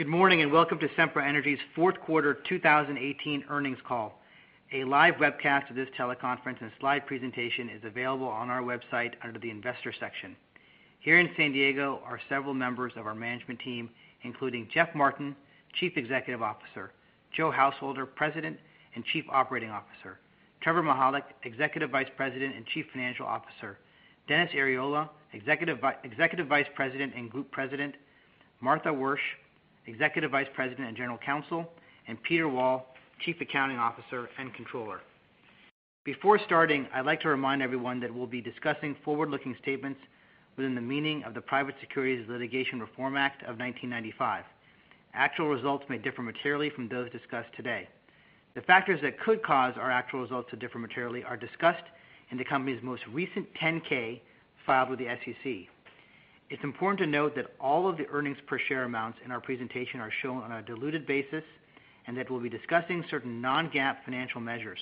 Good morning, and welcome to Sempra Energy's fourth quarter 2018 earnings call. A live webcast of this teleconference and slide presentation is available on our website under the investor section. Here in San Diego are several members of our management team, including Jeff Martin, Chief Executive Officer, Joseph Householder, President and Chief Operating Officer, Trevor Mihalik, Executive Vice President and Chief Financial Officer, Dennis Arriola, Executive Vice President and Group President, Martha Wyrsch, Executive Vice President and General Counsel, and Peter Wall, Chief Accounting Officer and Controller. Before starting, I'd like to remind everyone that we'll be discussing forward-looking statements within the meaning of the Private Securities Litigation Reform Act of 1995. Actual results may differ materially from those discussed today. The factors that could cause our actual results to differ materially are discussed in the company's most recent 10-K filed with the SEC. It's important to note that all of the earnings per share amounts in our presentation are shown on a diluted basis, and that we'll be discussing certain non-GAAP financial measures.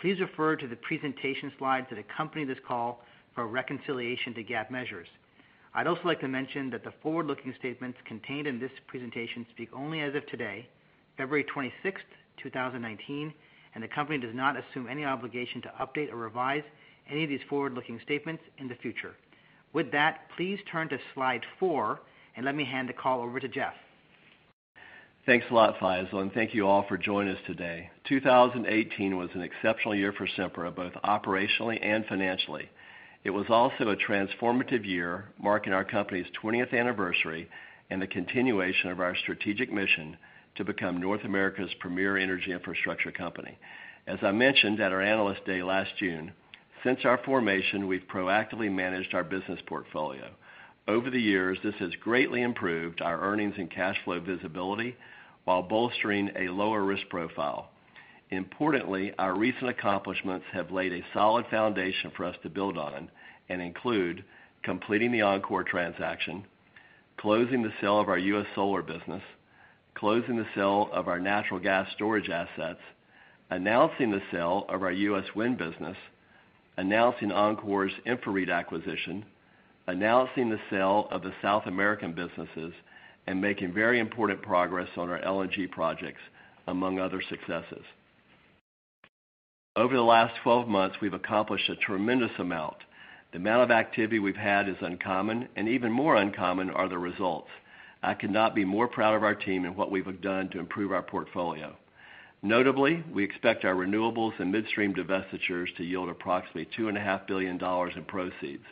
Please refer to the presentation slides that accompany this call for a reconciliation to GAAP measures. I'd also like to mention that the forward-looking statements contained in this presentation speak only as of today, February 26, 2019, and the company does not assume any obligation to update or revise any of these forward-looking statements in the future. With that, please turn to Slide four, and let me hand the call over to Jeff. Thanks a lot, Faisel, and thank you all for joining us today. 2018 was an exceptional year for Sempra, both operationally and financially. It was also a transformative year, marking our company's 20th anniversary and the continuation of our strategic mission to become North America's premier energy infrastructure company. As I mentioned at our Analyst Day last June, since our formation, we've proactively managed our business portfolio. Over the years, this has greatly improved our earnings and cash flow visibility while bolstering a lower risk profile. Importantly, our recent accomplishments have laid a solid foundation for us to build on and include completing the Oncor transaction, closing the sale of our U.S. solar business, closing the sale of our natural gas storage assets, announcing the sale of our U.S. wind business, announcing Oncor's InfraREIT acquisition, announcing the sale of the South American businesses, and making very important progress on our LNG projects, among other successes. Over the last 12 months, we've accomplished a tremendous amount. The amount of activity we've had is uncommon, and even more uncommon are the results. I could not be more proud of our team and what we've done to improve our portfolio. Notably, we expect our renewables and midstream divestitures to yield approximately $2.5 billion in proceeds.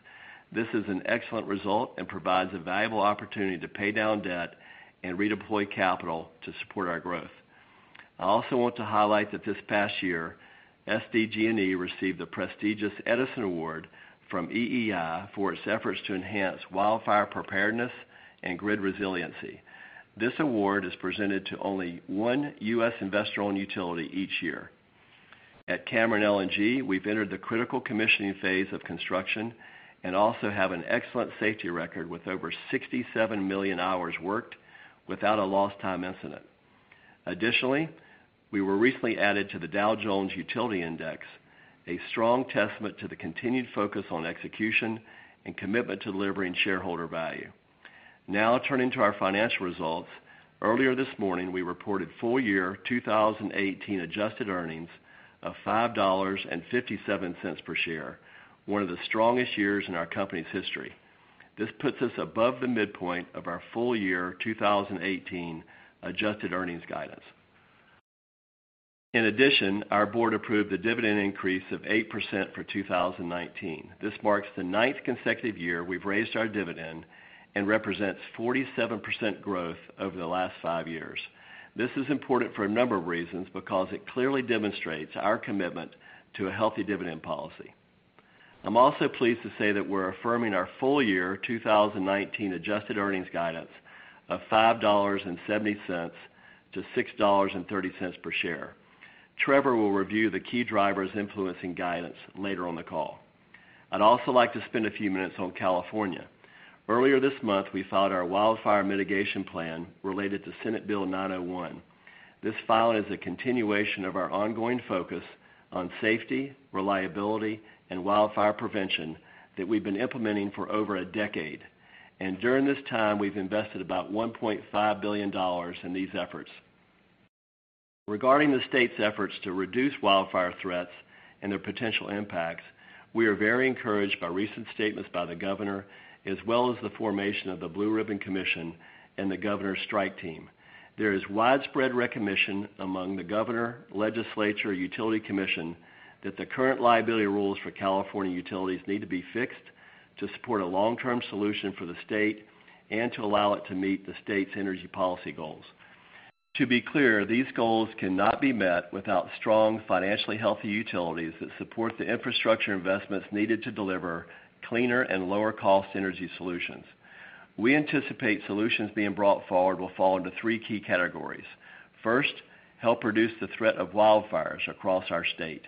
This is an excellent result and provides a valuable opportunity to pay down debt and redeploy capital to support our growth. I also want to highlight that this past year, SDG&E received the prestigious Edison Award from EEI for its efforts to enhance wildfire preparedness and grid resiliency. This award is presented to only one U.S. investor-owned utility each year. At Cameron LNG, we've entered the critical commissioning phase of construction and also have an excellent safety record, with over 67 million hours worked without a lost time incident. Additionally, we were recently added to the Dow Jones Utility Average, a strong testament to the continued focus on execution and commitment to delivering shareholder value. Turning to our financial results. Earlier this morning, we reported full-year 2018 adjusted earnings of $5.57 per share, one of the strongest years in our company's history. This puts us above the midpoint of our full-year 2018 adjusted earnings guidance. In addition, our board approved a dividend increase of 8% for 2019. This marks the ninth consecutive year we've raised our dividend and represents 47% growth over the last five years. This is important for a number of reasons, because it clearly demonstrates our commitment to a healthy dividend policy. I'm also pleased to say that we're affirming our full-year 2019 adjusted earnings guidance of $5.70-$6.30 per share. Trevor will review the key drivers influencing guidance later on the call. I'd also like to spend a few minutes on California. Earlier this month, we filed our wildfire mitigation plan related to Senate Bill 901. This filing is a continuation of our ongoing focus on safety, reliability, and wildfire prevention that we've been implementing for over a decade. During this time, we've invested about $1.5 billion in these efforts. Regarding the state's efforts to reduce wildfire threats and their potential impacts, we are very encouraged by recent statements by the Governor as well as the formation of the Blue Ribbon Commission and the Governor's Strike Team. There is widespread recognition among the Governor, legislature, Public Utilities Commission that the current liability rules for California utilities need to be fixed to support a long-term solution for the state and to allow it to meet the state's energy policy goals. To be clear, these goals cannot be met without strong, financially healthy utilities that support the infrastructure investments needed to deliver cleaner and lower-cost energy solutions. We anticipate solutions being brought forward will fall into three key categories. First, help reduce the threat of wildfires across our state.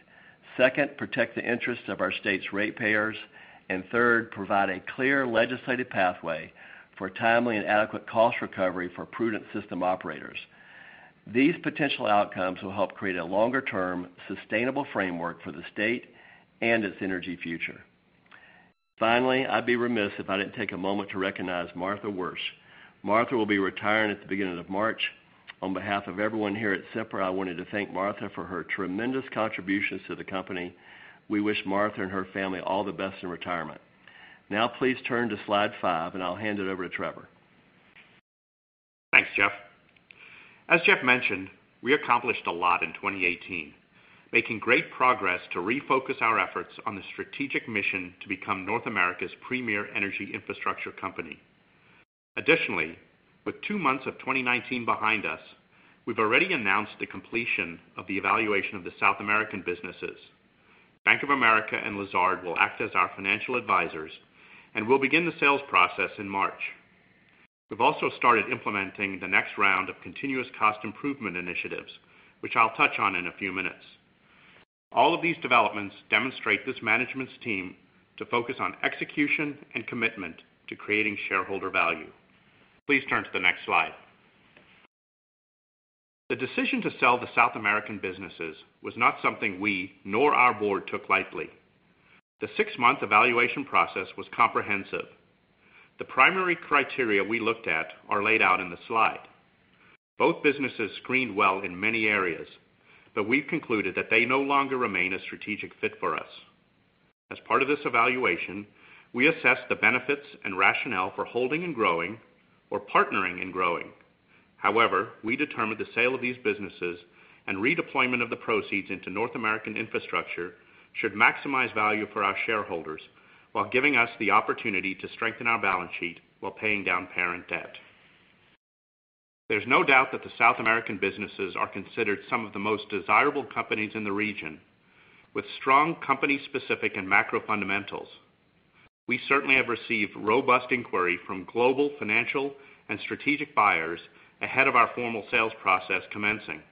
Second, protect the interests of our state's ratepayers. Third, provide a clear legislative pathway for timely and adequate cost recovery for prudent system operators. These potential outcomes will help create a longer-term, sustainable framework for the state and its energy future. Finally, I'd be remiss if I didn't take a moment to recognize Martha B. Wyrsch. Martha will be retiring at the beginning of March. On behalf of everyone here at Sempra, I wanted to thank Martha for her tremendous contributions to the company. We wish Martha and her family all the best in retirement. Please turn to slide five, and I'll hand it over to Trevor. Thanks, Jeff. As Jeff mentioned, we accomplished a lot in 2018, making great progress to refocus our efforts on the strategic mission to become North America's premier energy infrastructure company. Additionally, with two months of 2019 behind us, we've already announced the completion of the evaluation of the South American businesses. Bank of America and Lazard will act as our financial advisors, and we'll begin the sales process in March. We've also started implementing the next round of continuous cost improvement initiatives, which I'll touch on in a few minutes. All of these developments demonstrate this management's team to focus on execution and commitment to creating shareholder value. Please turn to the next slide. The decision to sell the South American businesses was not something we nor our board took lightly. The six-month evaluation process was comprehensive. The primary criteria we looked at are laid out in the slide. Both businesses screened well in many areas. We've concluded that they no longer remain a strategic fit for us. As part of this evaluation, we assessed the benefits and rationale for holding and growing or partnering and growing. We determined the sale of these businesses and redeployment of the proceeds into North American infrastructure should maximize value for our shareholders while giving us the opportunity to strengthen our balance sheet while paying down parent debt. There's no doubt that the South American businesses are considered some of the most desirable companies in the region with strong company-specific and macro fundamentals. We certainly have received robust inquiry from global financial and strategic buyers ahead of our formal sales process commencing.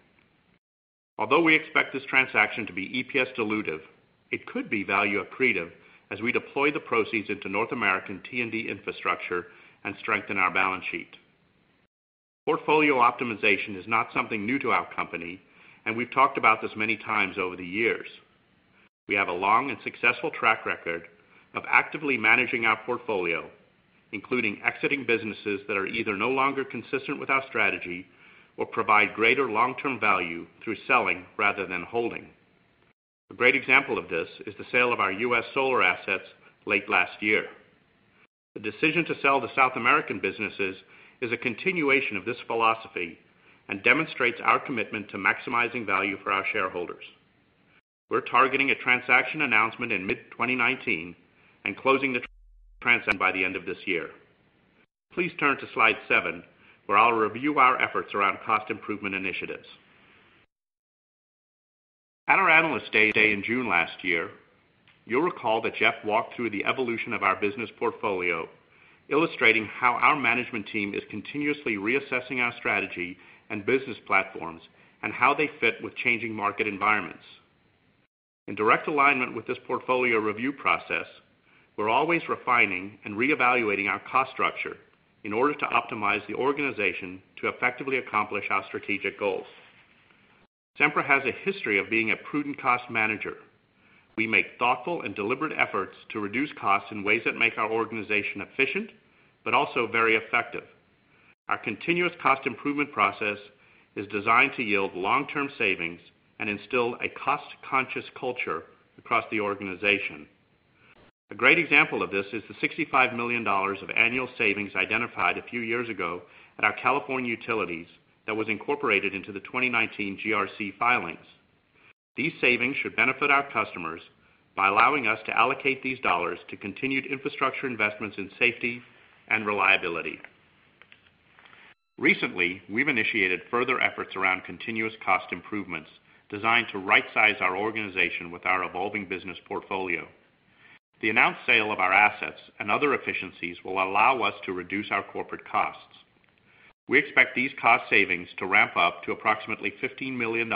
Although we expect this transaction to be EPS dilutive, it could be value accretive as we deploy the proceeds into North American T&D infrastructure and strengthen our balance sheet. Portfolio optimization is not something new to our company. We've talked about this many times over the years. We have a long and successful track record of actively managing our portfolio, including exiting businesses that are either no longer consistent with our strategy or provide greater long-term value through selling rather than holding. A great example of this is the sale of our U.S. solar assets late last year. The decision to sell the South American businesses is a continuation of this philosophy and demonstrates our commitment to maximizing value for our shareholders. We're targeting a transaction announcement in mid-2019 and closing the transaction by the end of this year. Please turn to slide seven, where I'll review our efforts around cost improvement initiatives. At our Analyst Day in June last year, you'll recall that Jeff walked through the evolution of our business portfolio, illustrating how our management team is continuously reassessing our strategy and business platforms and how they fit with changing market environments. In direct alignment with this portfolio review process, we're always refining and reevaluating our cost structure in order to optimize the organization to effectively accomplish our strategic goals. Sempra has a history of being a prudent cost manager. We make thoughtful and deliberate efforts to reduce costs in ways that make our organization efficient but also very effective. Our continuous cost improvement process is designed to yield long-term savings and instill a cost-conscious culture across the organization. A great example of this is the $65 million of annual savings identified a few years ago at our California utilities that was incorporated into the 2019 GRC filings. These savings should benefit our customers by allowing us to allocate these dollars to continued infrastructure investments in safety and reliability. Recently, we've initiated further efforts around continuous cost improvements designed to rightsize our organization with our evolving business portfolio. The announced sale of our assets and other efficiencies will allow us to reduce our corporate costs. We expect these cost savings to ramp up to approximately $15 million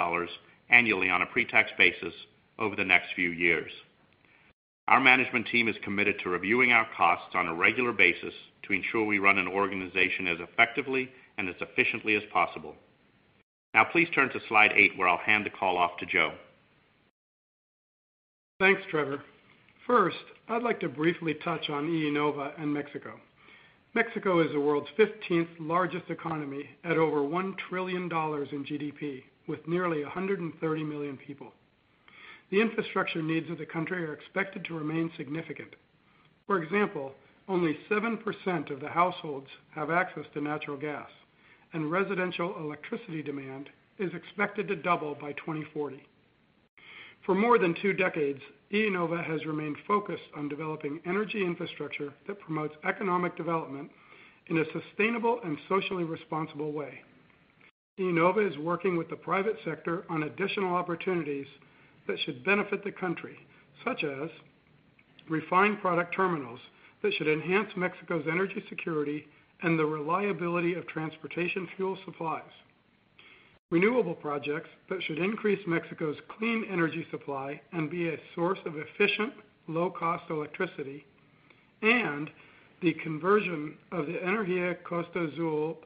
annually on a pre-tax basis over the next few years. Our management team is committed to reviewing our costs on a regular basis to ensure we run an organization as effectively and as efficiently as possible. Please turn to slide eight, where I'll hand the call off to Joe. Thanks, Trevor. First, I'd like to briefly touch on IEnova and Mexico. Mexico is the world's 15th largest economy at over $1 trillion in GDP with nearly 130 million people. The infrastructure needs of the country are expected to remain significant. For example, only 7% of the households have access to natural gas, and residential electricity demand is expected to double by 2040. For more than two decades, IEnova has remained focused on developing energy infrastructure that promotes economic development in a sustainable and socially responsible way. IEnova is working with the private sector on additional opportunities that should benefit the country, such as refined product terminals that should enhance Mexico's energy security and the reliability of transportation fuel supplies. Renewable projects that should increase Mexico's clean energy supply and be a source of efficient, low-cost electricity, the conversion of the Energía Costa Azul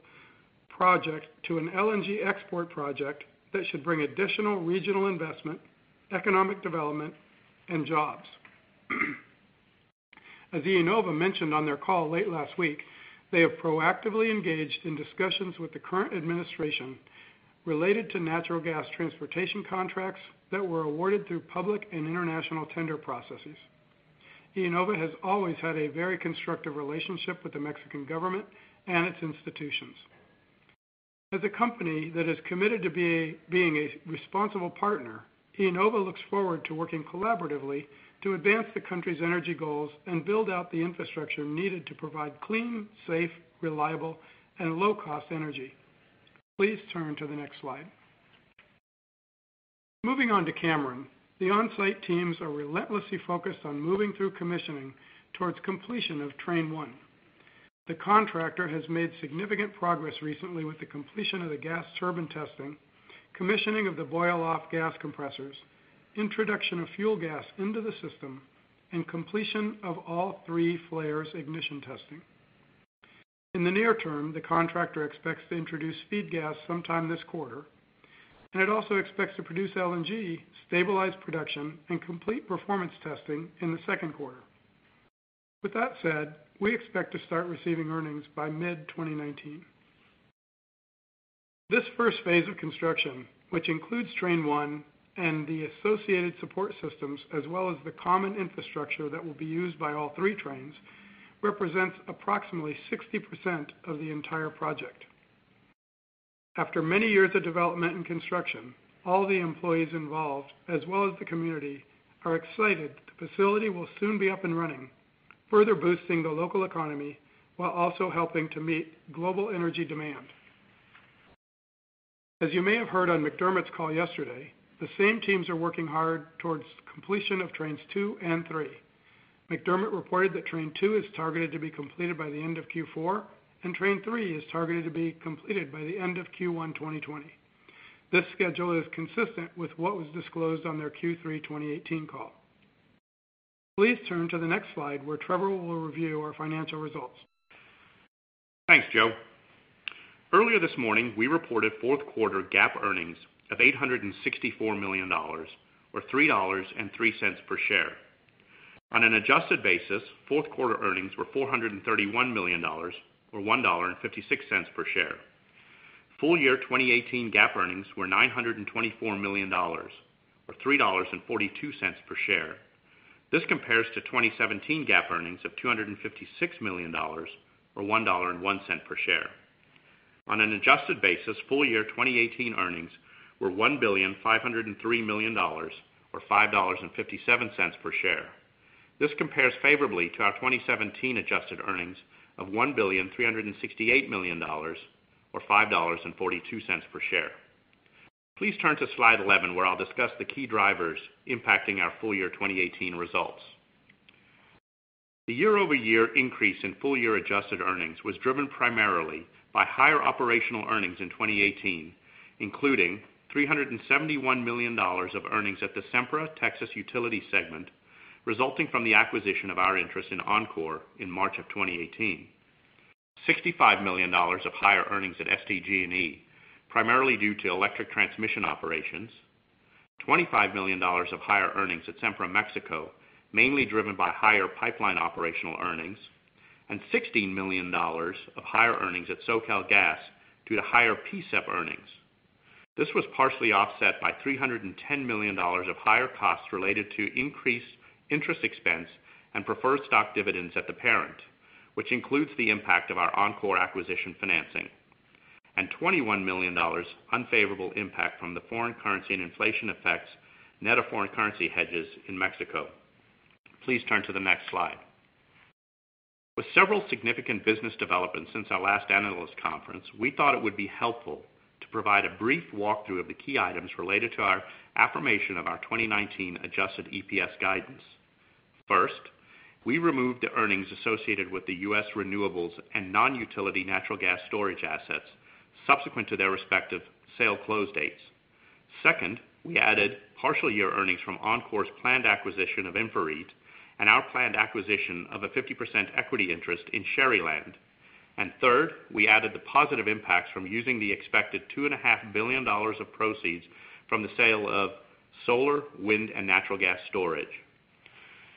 Project to an LNG export project that should bring additional regional investment, economic development, and jobs. As IEnova mentioned on their call late last week, they have proactively engaged in discussions with the current administration related to natural gas transportation contracts that were awarded through public and international tender processes. IEnova has always had a very constructive relationship with the Mexican government and its institutions. As a company that is committed to being a responsible partner, IEnova looks forward to working collaboratively to advance the country's energy goals and build out the infrastructure needed to provide clean, safe, reliable, and low-cost energy. Please turn to the next slide. Moving on to Cameron. The onsite teams are relentlessly focused on moving through commissioning towards completion of train one. The contractor has made significant progress recently with the completion of the gas turbine testing, commissioning of the boil off gas compressors, introduction of fuel gas into the system, and completion of all three flares ignition testing. In the near term, the contractor expects to introduce feed gas sometime this quarter. It also expects to produce LNG, stabilize production, and complete performance testing in the second quarter. With that said, we expect to start receiving earnings by mid-2019. This first phase of construction, which includes train one and the associated support systems, as well as the common infrastructure that will be used by all three trains, represents approximately 60% of the entire project. After many years of development and construction, all the employees involved, as well as the community, are excited the facility will soon be up and running, further boosting the local economy while also helping to meet global energy demand. As you may have heard on McDermott's call yesterday, the same teams are working hard towards completion of trains 2 and 3. McDermott reported that train 2 is targeted to be completed by the end of Q4, and train 3 is targeted to be completed by the end of Q1 2020. This schedule is consistent with what was disclosed on their Q3 2018 call. Please turn to the next slide where Trevor will review our financial results. Thanks, Joe. Earlier this morning, we reported fourth quarter GAAP earnings of $864 million, or $3.03 per share. On an adjusted basis, fourth-quarter earnings were $431 million, or $1.56 per share. Full year 2018 GAAP earnings were $924 million, or $3.42 per share. This compares to 2017 GAAP earnings of $256 million, or $1.01 per share. On an adjusted basis, full year 2018 earnings were $1,503 million, or $5.57 per share. This compares favorably to our 2017 adjusted earnings of $1,368 million, or $5.42 per share. Please turn to slide 11, where I'll discuss the key drivers impacting our full year 2018 results. The year-over-year increase in full-year adjusted earnings was driven primarily by higher operational earnings in 2018, including $371 million of earnings at the Sempra Texas Utilities segment, resulting from the acquisition of our interest in Oncor in March of 2018. $65 million of higher earnings at SDG&E, primarily due to electric transmission operations. $25 million of higher earnings at Sempra Mexico, mainly driven by higher pipeline operational earnings. $16 million of higher earnings at SoCalGas due to higher PSEP earnings. This was partially offset by $310 million of higher costs related to increased interest expense and preferred stock dividends at the parent, which includes the impact of our Oncor acquisition financing. $21 million unfavorable impact from the foreign currency and inflation effects net of foreign currency hedges in Mexico. Please turn to the next slide. With several significant business developments since our last analyst conference, we thought it would be helpful to provide a brief walkthrough of the key items related to our affirmation of our 2019 adjusted EPS guidance. First, we removed the earnings associated with the U.S. renewables and non-utility natural gas storage assets subsequent to their respective sale close dates. Second, we added partial year earnings from Oncor's planned acquisition of InfraREIT and our planned acquisition of a 50% equity interest in Sharyland. Third, we added the positive impacts from using the expected $2.5 billion of proceeds from the sale of solar, wind, and natural gas storage.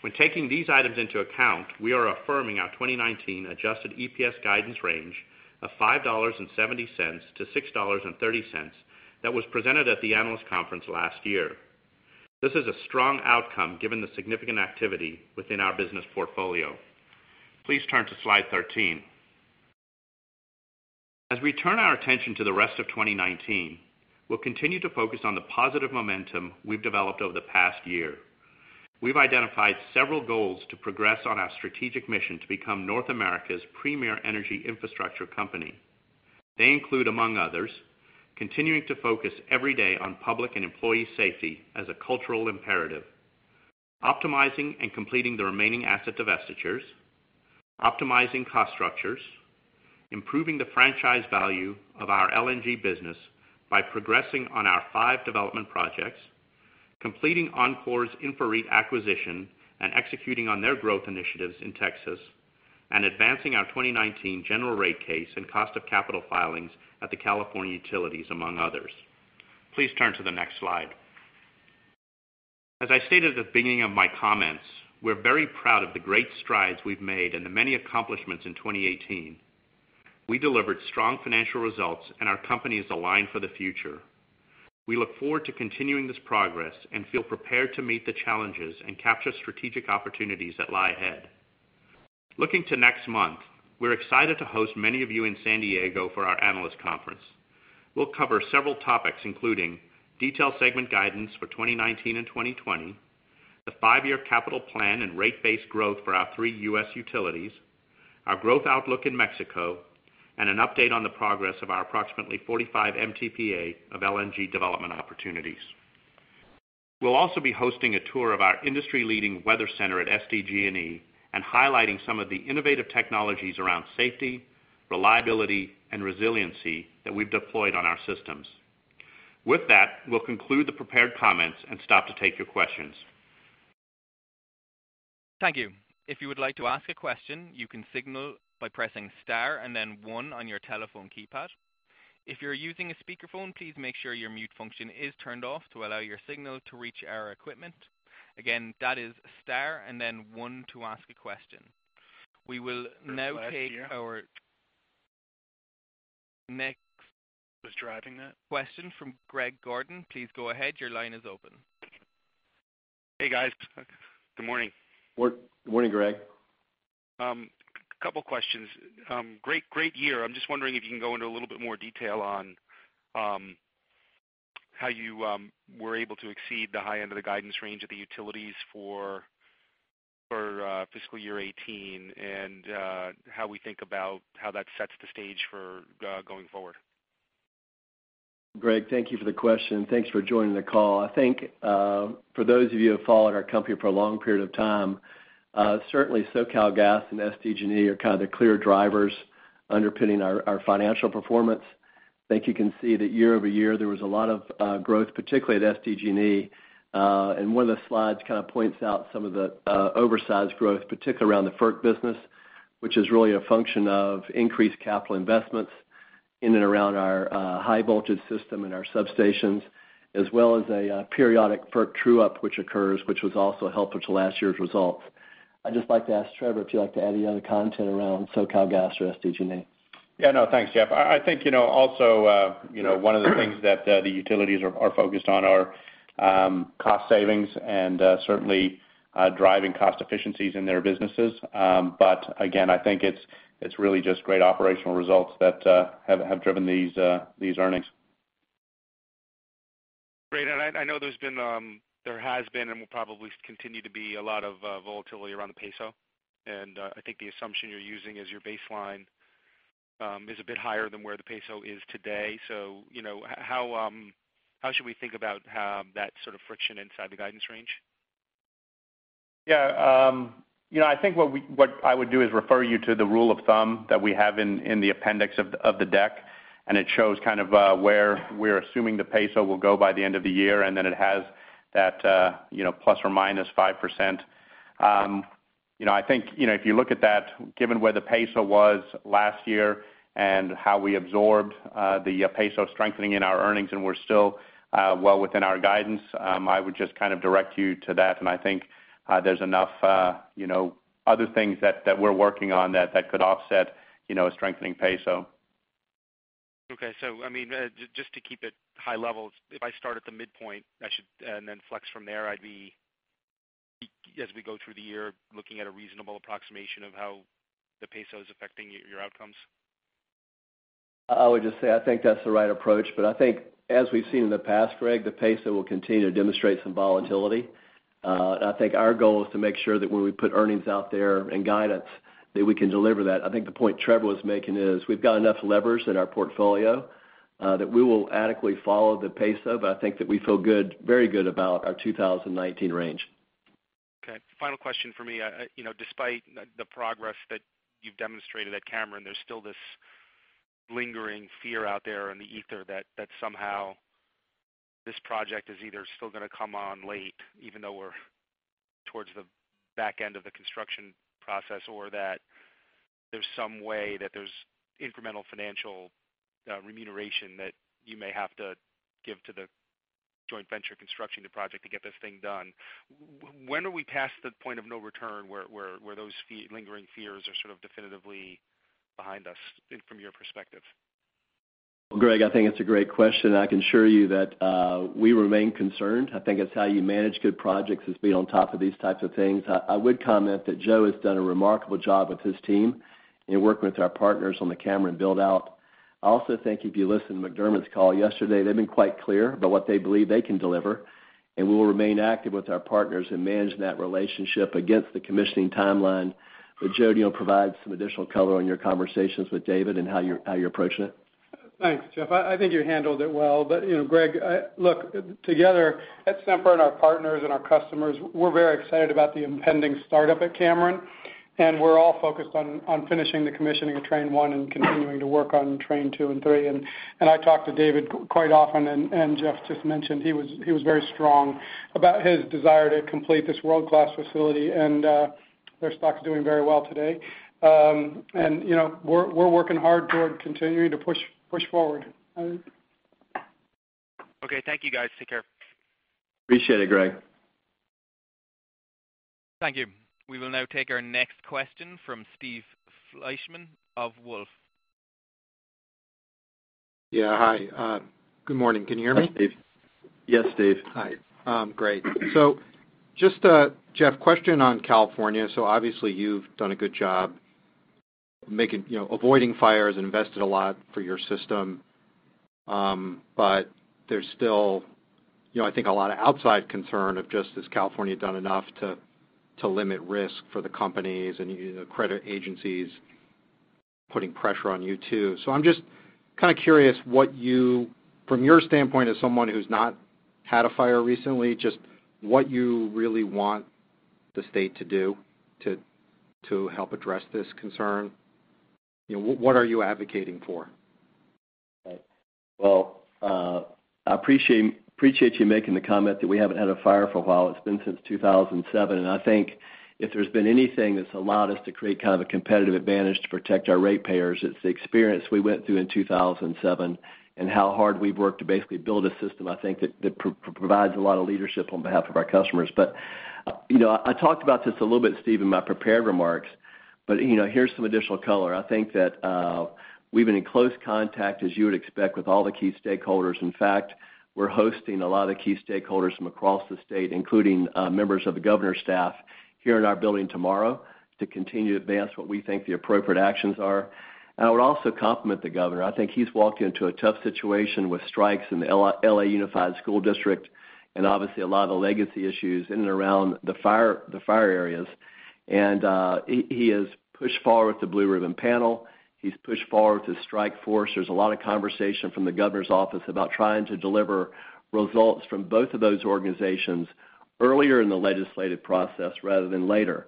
When taking these items into account, we are affirming our 2019 adjusted EPS guidance range of $5.70-$6.30 that was presented at the analyst conference last year. This is a strong outcome given the significant activity within our business portfolio. Please turn to slide 13. As we turn our attention to the rest of 2019, we'll continue to focus on the positive momentum we've developed over the past year. We've identified several goals to progress on our strategic mission to become North America's premier energy infrastructure company. They include, among others, continuing to focus every day on public and employee safety as a cultural imperative, optimizing and completing the remaining asset divestitures, optimizing cost structures, improving the franchise value of our LNG business by progressing on our five development projects Completing Oncor's InfraREIT acquisition and executing on their growth initiatives in Texas, advancing our 2019 general rate case and cost of capital filings at the California utilities, among others. Please turn to the next slide. As I stated at the beginning of my comments, we're very proud of the great strides we've made and the many accomplishments in 2018. We delivered strong financial results, our company is aligned for the future. We look forward to continuing this progress and feel prepared to meet the challenges and capture strategic opportunities that lie ahead. Looking to next month, we're excited to host many of you in San Diego for our analyst conference. We'll cover several topics, including detailed segment guidance for 2019 and 2020, the five-year capital plan and rate-based growth for our three U.S. utilities, our growth outlook in Mexico, an update on the progress of our approximately 45 MTPA of LNG development opportunities. We'll also be hosting a tour of our industry-leading weather center at SDG&E and highlighting some of the innovative technologies around safety, reliability, and resiliency that we've deployed on our systems. With that, we'll conclude the prepared comments and stop to take your questions. Thank you. If you would like to ask a question, you can signal by pressing star and then one on your telephone keypad. If you're using a speakerphone, please make sure your mute function is turned off to allow your signal to reach our equipment. Again, that is star and then one to ask a question. We will now take our next Was driving that question from Greg Gordon. Please go ahead. Your line is open. Hey, guys. Good morning. Morning, Greg. Couple questions. Great year. I'm just wondering if you can go into a little bit more detail on how you were able to exceed the high end of the guidance range of the utilities for FY 2018 and how we think about how that sets the stage for going forward. Greg, thank you for the question. Thanks for joining the call. I think, for those of you who have followed our company for a long period of time, certainly SoCalGas and SDG&E are kind of the clear drivers underpinning our financial performance. I think you can see that year-over-year, there was a lot of growth, particularly at SDG&E. One of the slides kind of points out some of the oversized growth, particularly around the FERC business, which is really a function of increased capital investments in and around our high-voltage system and our substations, as well as a periodic FERC true-up which occurs, which was also helpful to last year's results. I'd just like to ask Trevor if you'd like to add any other content around SoCalGas or SDG&E. Yeah, no. Thanks, Jeff. I think, also one of the things that the utilities are focused on are cost savings and certainly driving cost efficiencies in their businesses. Again, I think it's really just great operational results that have driven these earnings. Great. I know there has been, and will probably continue to be, a lot of volatility around the peso. I think the assumption you're using as your baseline is a bit higher than where the peso is today. How should we think about that sort of friction inside the guidance range? Yeah. I think what I would do is refer you to the rule of thumb that we have in the appendix of the deck. It shows where we're assuming the peso will go by the end of the year, then it has that plus or minus 5%. I think, if you look at that, given where the peso was last year and how we absorbed the peso strengthening in our earnings, and we're still well within our guidance, I would just direct you to that, and I think there's enough other things that we're working on that could offset a strengthening peso. Okay. Just to keep it high level, if I start at the midpoint and then flex from there, I'd be, as we go through the year, looking at a reasonable approximation of how the peso is affecting your outcomes? I would just say, that's the right approach. I think as we've seen in the past, Greg, the peso will continue to demonstrate some volatility. I think our goal is to make sure that when we put earnings out there and guidance, that we can deliver that. I think the point Trevor was making is we've got enough levers in our portfolio that we will adequately follow the peso, but I think that we feel very good about our 2019 range. Okay. Final question from me. Despite the progress that you've demonstrated at Cameron, there's still this lingering fear out there in the ether that somehow this project is either still going to come on late, even though we're towards the back end of the construction process, or that there's some way that there's incremental financial remuneration that you may have to give to the joint venture constructing the project to get this thing done. When are we past the point of no return, where those lingering fears are definitively behind us, from your perspective? Well, Greg, I think it's a great question. I can assure you that we remain concerned. I think it's how you manage good projects, is being on top of these types of things. I would comment that Joe has done a remarkable job with his team in working with our partners on the Cameron build-out. I also think if you listen to McDermott's call yesterday, they've been quite clear about what they believe they can deliver, and we will remain active with our partners in managing that relationship against the commissioning timeline. Joe will provide some additional color on your conversations with David and how you're approaching it. Thanks, Jeff. I think you handled it well. Greg, look, together at Sempra and our partners and our customers, we're very excited about the impending startup at Cameron, and we're all focused on finishing the commissioning of train 1 and continuing to work on train 2 and 3. I talk to David quite often, and Jeff just mentioned he was very strong about his desire to complete this world-class facility and Their stock is doing very well today. We're working hard toward continuing to push forward. Okay. Thank you, guys. Take care. Appreciate it, Greg. Thank you. We will now take our next question from Steve Fleishman of Wolfe. Yeah. Hi. Good morning. Can you hear me? Hi, Steve. Yes, Steve. Just, Jeff, question on California. Obviously you've done a good job avoiding fires and invested a lot for your system. There's still I think a lot of outside concern of just, has California done enough to limit risk for the companies and credit agencies putting pressure on you, too. I'm just kind of curious, from your standpoint as someone who's not had a fire recently, just what you really want the state to do to help address this concern. What are you advocating for? Right. Well, I appreciate you making the comment that we haven't had a fire for a while. It's been since 2007. I think if there's been anything that's allowed us to create kind of a competitive advantage to protect our ratepayers, it's the experience we went through in 2007 and how hard we've worked to basically build a system, I think, that provides a lot of leadership on behalf of our customers. I talked about this a little bit, Steve, in my prepared remarks, but here's some additional color. I think that we've been in close contact, as you would expect, with all the key stakeholders. In fact, we're hosting a lot of key stakeholders from across the state, including members of the governor's staff here in our building tomorrow to continue to advance what we think the appropriate actions are. I would also compliment the governor. I think he's walked into a tough situation with strikes in the L.A. Unified School District and obviously a lot of the legacy issues in and around the fire areas. He has pushed forward with the Blue Ribbon Panel. He's pushed forward with the Strike Force. There's a lot of conversation from the governor's office about trying to deliver results from both of those organizations earlier in the legislative process rather than later.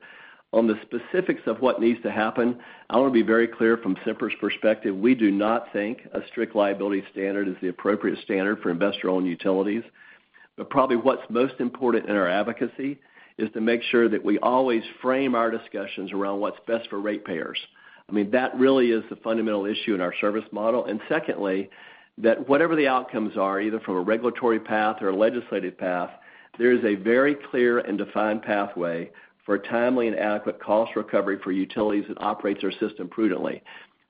On the specifics of what needs to happen, I want to be very clear from Sempra's perspective, we do not think a strict liability standard is the appropriate standard for investor-owned utilities. Probably what's most important in our advocacy is to make sure that we always frame our discussions around what's best for ratepayers. I mean, that really is the fundamental issue in our service model. Secondly, that whatever the outcomes are, either from a regulatory path or a legislative path, there is a very clear and defined pathway for timely and adequate cost recovery for utilities that operate their system prudently.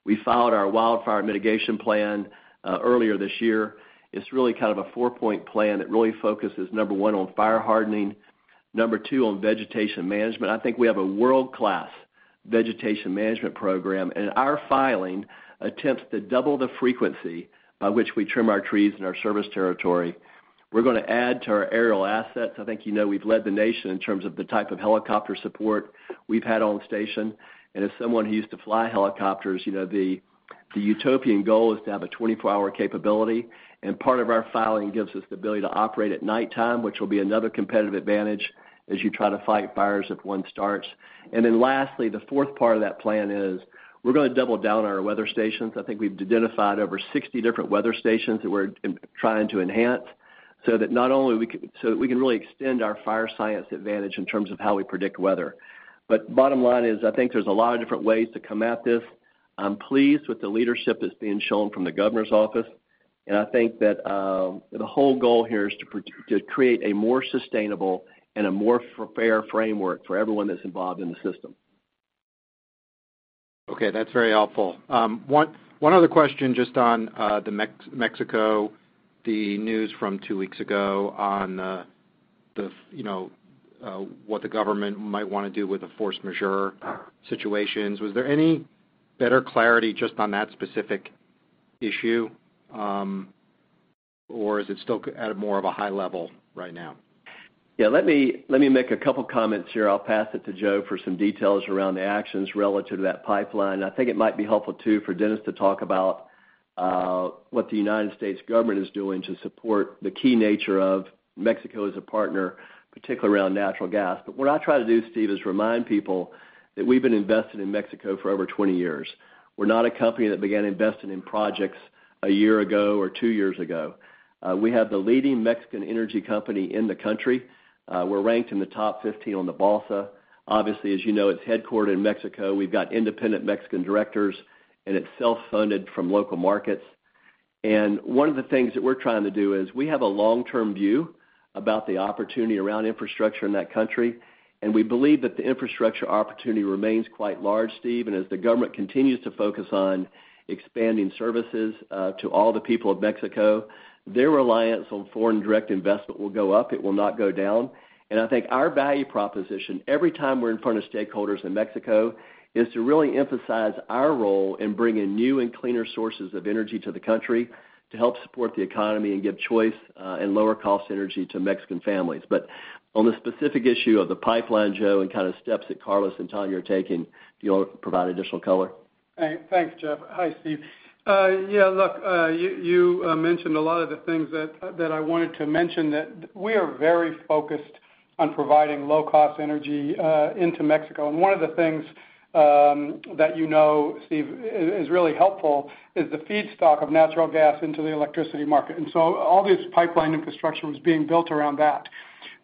We filed our Wildfire Mitigation Plan earlier this year. It's really kind of a four-point plan that really focuses, number 1, on fire hardening, number 2, on vegetation management. I think we have a world-class vegetation management program, and our filing attempts to double the frequency by which we trim our trees in our service territory. We're going to add to our aerial assets. I think you know we've led the nation in terms of the type of helicopter support we've had on station. As someone who used to fly helicopters, the utopian goal is to have a 24-hour capability, part of our filing gives us the ability to operate at nighttime, which will be another competitive advantage as you try to fight fires if one starts. Lastly, the fourth part of that plan is we're going to double down our weather stations. I think we've identified over 60 different weather stations that we're trying to enhance so that we can really extend our fire science advantage in terms of how we predict weather. Bottom line is, I think there's a lot of different ways to come at this. I'm pleased with the leadership that's being shown from the Governor's office, I think that the whole goal here is to create a more sustainable and a more fair framework for everyone that's involved in the system. Okay. That's very helpful. One other question just on the Mexico, the news from two weeks ago on what the government might want to do with the force majeure situations. Was there any better clarity just on that specific issue? Or is it still at a more of a high level right now? Yeah, let me make a couple comments here. I'll pass it to Joe for some details around the actions relative to that pipeline. I think it might be helpful too, for Dennis to talk about what the U.S. government is doing to support the key nature of Mexico as a partner, particularly around natural gas. What I try to do, Steve, is remind people that we've been invested in Mexico for over 20 years. We're not a company that began investing in projects a year ago or two years ago. We have the leading Mexican energy company in the country. We're ranked in the top 15 on the Bolsa. Obviously, as you know, it's headquartered in Mexico. We've got independent Mexican directors, and it's self-funded from local markets. One of the things that we're trying to do is we have a long-term view about the opportunity around infrastructure in that country, we believe that the infrastructure opportunity remains quite large, Steve. As the government continues to focus on expanding services to all the people of Mexico, their reliance on foreign direct investment will go up. It will not go down. I think our value proposition, every time we're in front of stakeholders in Mexico, is to really emphasize our role in bringing new and cleaner sources of energy to the country to help support the economy and give choice and lower cost energy to Mexican families. On the specific issue of the pipeline, Joe, and kind of steps that Carlos and Tania are taking, do you want to provide additional color? Thanks, Jeff. Hi, Steve. Look, you mentioned a lot of the things that I wanted to mention that we are very focused on providing low-cost energy into Mexico. One of the things that you know, Steve, is really helpful, is the feedstock of natural gas into the electricity market. All this pipeline infrastructure was being built around that.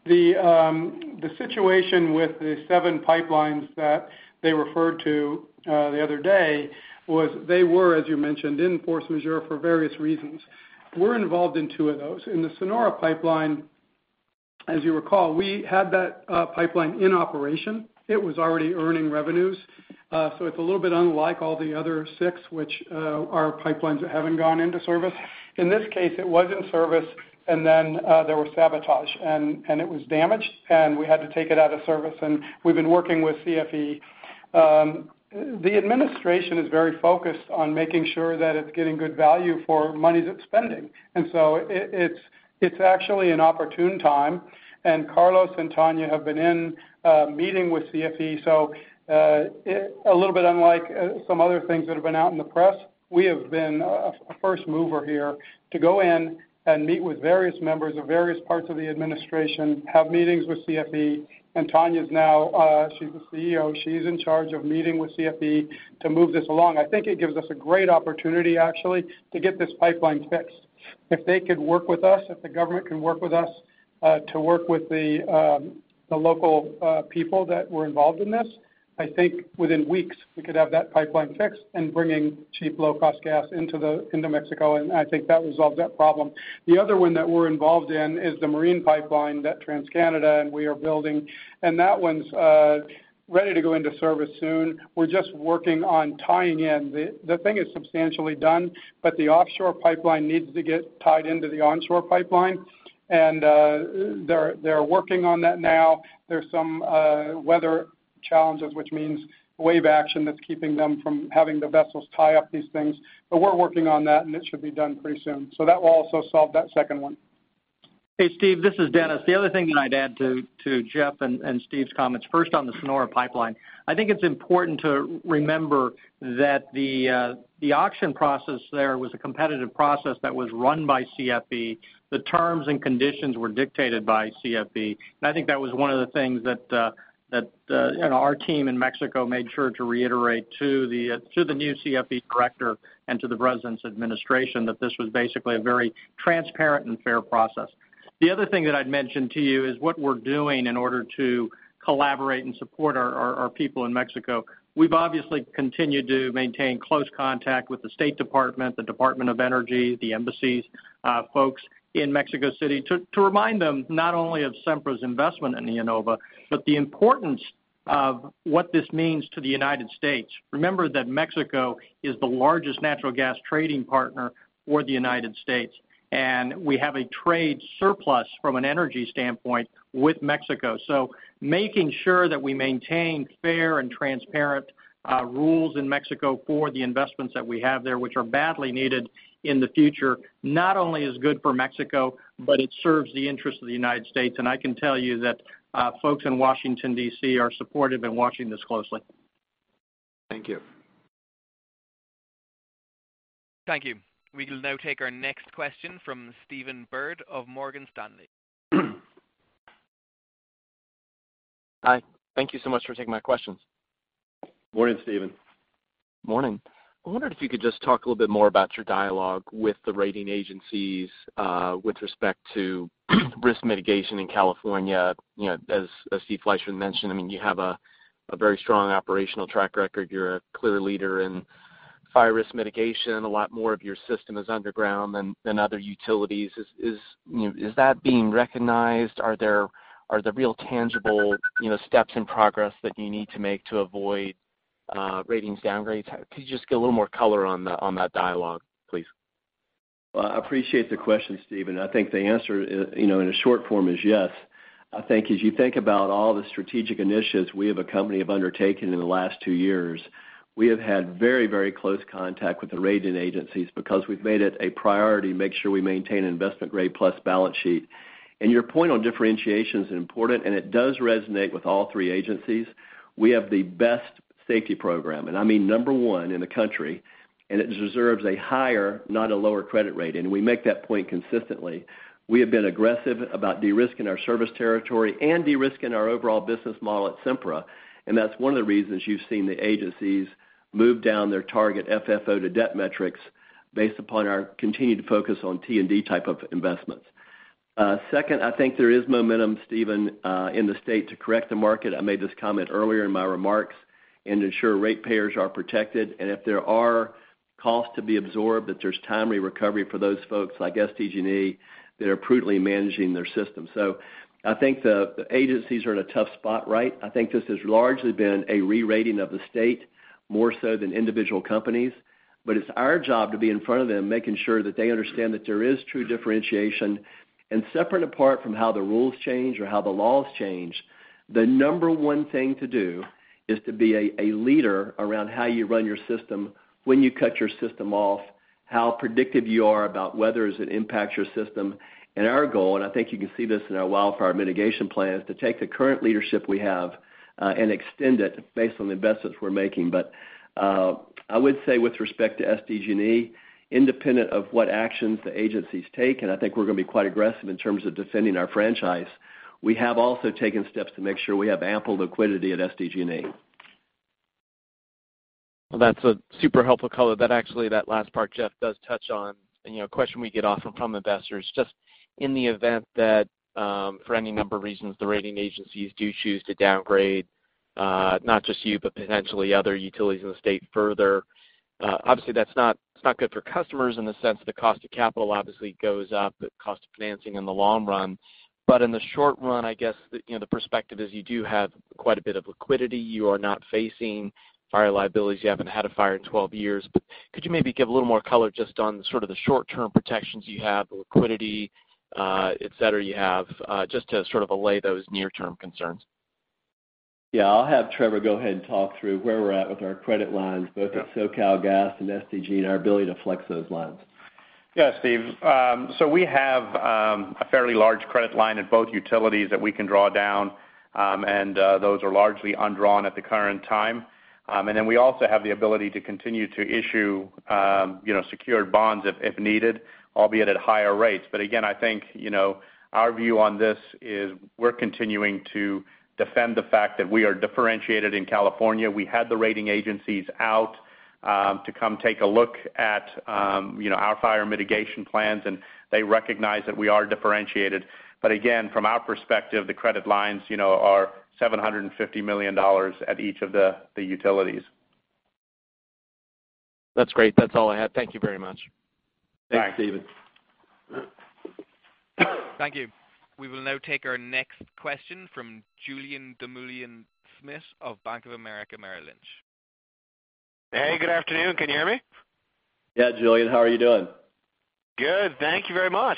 The situation with the 7 pipelines that they referred to the other day was they were, as you mentioned, in force majeure for various reasons. We're involved in 2 of those. In the Sonora Pipeline, as you recall, we had that pipeline in operation. It was already earning revenues. It's a little bit unlike all the other 6, which are pipelines that haven't gone into service. In this case, it was in service, and then there was sabotage, and it was damaged, and we had to take it out of service, and we've been working with CFE. The administration is very focused on making sure that it's getting good value for monies it's spending. It's actually an opportune time, and Carlos and Tania have been in a meeting with CFE. A little bit unlike some other things that have been out in the press, we have been a first mover here to go in and meet with various members of various parts of the administration, have meetings with CFE, and Tania's now, she's the CEO, she's in charge of meeting with CFE to move this along. I think it gives us a great opportunity actually to get this pipeline fixed. If they could work with us, if the government can work with us, to work with the local people that were involved in this, I think within weeks we could have that pipeline fixed and bringing cheap low-cost gas into Mexico, and I think that resolves that problem. The other one that we're involved in is the marine pipeline that TransCanada and we are building, and that one's ready to go into service soon. We're just working on tying in. The thing is substantially done, but the offshore pipeline needs to get tied into the onshore pipeline. They're working on that now. There's some weather challenges, which means wave action that's keeping them from having the vessels tie up these things. We're working on that, and it should be done pretty soon. That will also solve that 2nd one. Hey, Steve, this is Dennis. The other thing that I'd add to Jeff and Steve's comments, first on the Sonora pipeline. I think it's important to remember that the auction process there was a competitive process that was run by CFE. The terms and conditions were dictated by CFE. I think that was one of the things that our team in Mexico made sure to reiterate to the new CFE director and to the president's administration that this was basically a very transparent and fair process. The other thing that I'd mention to you is what we're doing in order to collaborate and support our people in Mexico. We've obviously continued to maintain close contact with the State Department, the Department of Energy, the embassies folks in Mexico City, to remind them not only of Sempra's investment in IEnova, but the importance of what this means to the United States. Remember that Mexico is the largest natural gas trading partner for the United States, and we have a trade surplus from an energy standpoint with Mexico. Making sure that we maintain fair and transparent rules in Mexico for the investments that we have there, which are badly needed in the future, not only is good for Mexico, but it serves the interest of the United States. I can tell you that folks in Washington, D.C., are supportive and watching this closely. Thank you. Thank you. We will now take our next question from Stephen Byrd of Morgan Stanley. Hi. Thank you so much for taking my questions. Morning, Stephen. Morning. I wondered if you could just talk a little bit more about your dialogue with the rating agencies, with respect to risk mitigation in California. As Steve Fleishman mentioned, you have a very strong operational track record. You're a clear leader in fire risk mitigation. A lot more of your system is underground than other utilities. Is that being recognized? Are there real tangible steps in progress that you need to make to avoid ratings downgrades? Could you just give a little more color on that dialogue, please? Well, I appreciate the question, Steven. I think the answer in a short form is yes. I think as you think about all the strategic initiatives we as a company have undertaken in the last two years, we have had very close contact with the rating agencies because we've made it a priority to make sure we maintain investment-grade plus balance sheet. Your point on differentiation is important, and it does resonate with all three agencies. We have the best safety program, and I mean number one in the country, and it deserves a higher, not a lower credit rating. We make that point consistently. We have been aggressive about de-risking our service territory and de-risking our overall business model at Sempra. That's one of the reasons you've seen the agencies move down their target FFO to debt metrics based upon our continued focus on T&D type of investments. Second, I think there is momentum, Steven, in the state to correct the market, I made this comment earlier in my remarks, and ensure ratepayers are protected and if there are costs to be absorbed, that there's timely recovery for those folks, like SDG&E, that are prudently managing their system. I think the agencies are in a tough spot right. I think this has largely been a re-rating of the state more so than individual companies. It's our job to be in front of them, making sure that they understand that there is true differentiation. Separate apart from how the rules change or how the laws change, the number one thing to do is to be a leader around how you run your system when you cut your system off, how predictive you are about weathers that impact your system. Our goal, and I think you can see this in our wildfire mitigation plan, is to take the current leadership we have, and extend it based on the investments we're making. I would say with respect to SDG&E, independent of what actions the agencies take, and I think we're going to be quite aggressive in terms of defending our franchise. We have also taken steps to make sure we have ample liquidity at SDG&E. Well, that's a super helpful color. That actually, that last part, Jeff, does touch on a question we get often from investors. Just in the event that, for any number of reasons, the rating agencies do choose to downgrade, not just you, but potentially other utilities in the state further. Obviously, that's not good for customers in the sense the cost of capital obviously goes up, the cost of financing in the long run. In the short run, I guess, the perspective is you do have quite a bit of liquidity. You are not facing fire liabilities. You haven't had a fire in 12 years. Could you maybe give a little more color just on sort of the short-term protections you have, the liquidity, et cetera, you have, just to sort of allay those near-term concerns? Yeah, I'll have Trevor go ahead and talk through where we're at with our credit lines both at SoCalGas and SDG&E and our ability to flex those lines. Steve. We have a fairly large credit line at both utilities that we can draw down, and those are largely undrawn at the current time. We also have the ability to continue to issue secured bonds if needed, albeit at higher rates. Again, I think, our view on this is we're continuing to defend the fact that we are differentiated in California. We had the rating agencies out to come take a look at our fire mitigation plans, and they recognize that we are differentiated. Again, from our perspective, the credit lines are $750 million at each of the utilities. That's great. That's all I had. Thank you very much. Thanks, Steven. Thanks. Thank you. We will now take our next question from Julien Dumoulin-Smith of Bank of America Merrill Lynch. Hey, good afternoon. Can you hear me? Yeah, Julien, how are you doing? Good. Thank you very much.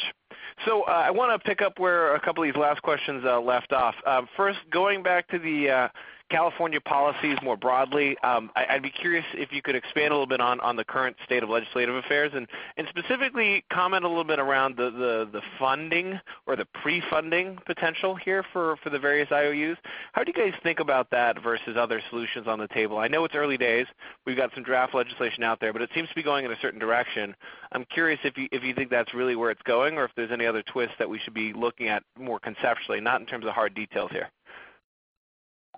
I want to pick up where a couple of these last questions left off. First, going back to the California policies more broadly, I'd be curious if you could expand a little bit on the current state of legislative affairs and specifically comment a little bit around the funding or the pre-funding potential here for the various IOUs. How do you guys think about that versus other solutions on the table? I know it's early days. We've got some draft legislation out there. It seems to be going in a certain direction. I'm curious if you think that's really where it's going or if there's any other twists that we should be looking at more conceptually, not in terms of hard details here.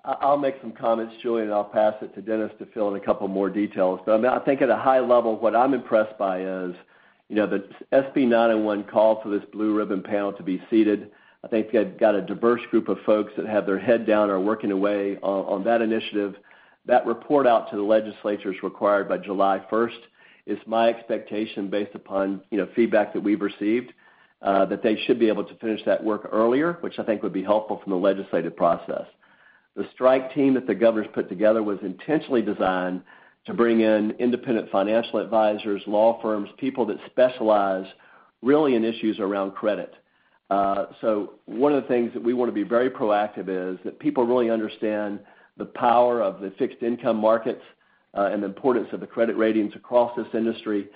I'll make some comments, Julien. I'll pass it to Dennis to fill in a couple more details. I think at a high level, what I'm impressed by is the SB 901 call for this Blue Ribbon panel to be seated. I think they've got a diverse group of folks that have their head down, are working away on that initiative. That report out to the legislature is required by July 1st. It's my expectation based upon feedback that we've received, that they should be able to finish that work earlier, which I think would be helpful from the legislative process. The strike team that the Governor's put together was intentionally designed to bring in independent financial advisors, law firms, people that specialize really in issues around credit. One of the things that we want to be very proactive is that people really understand the power of the fixed income markets and the importance of the credit ratings across this industry.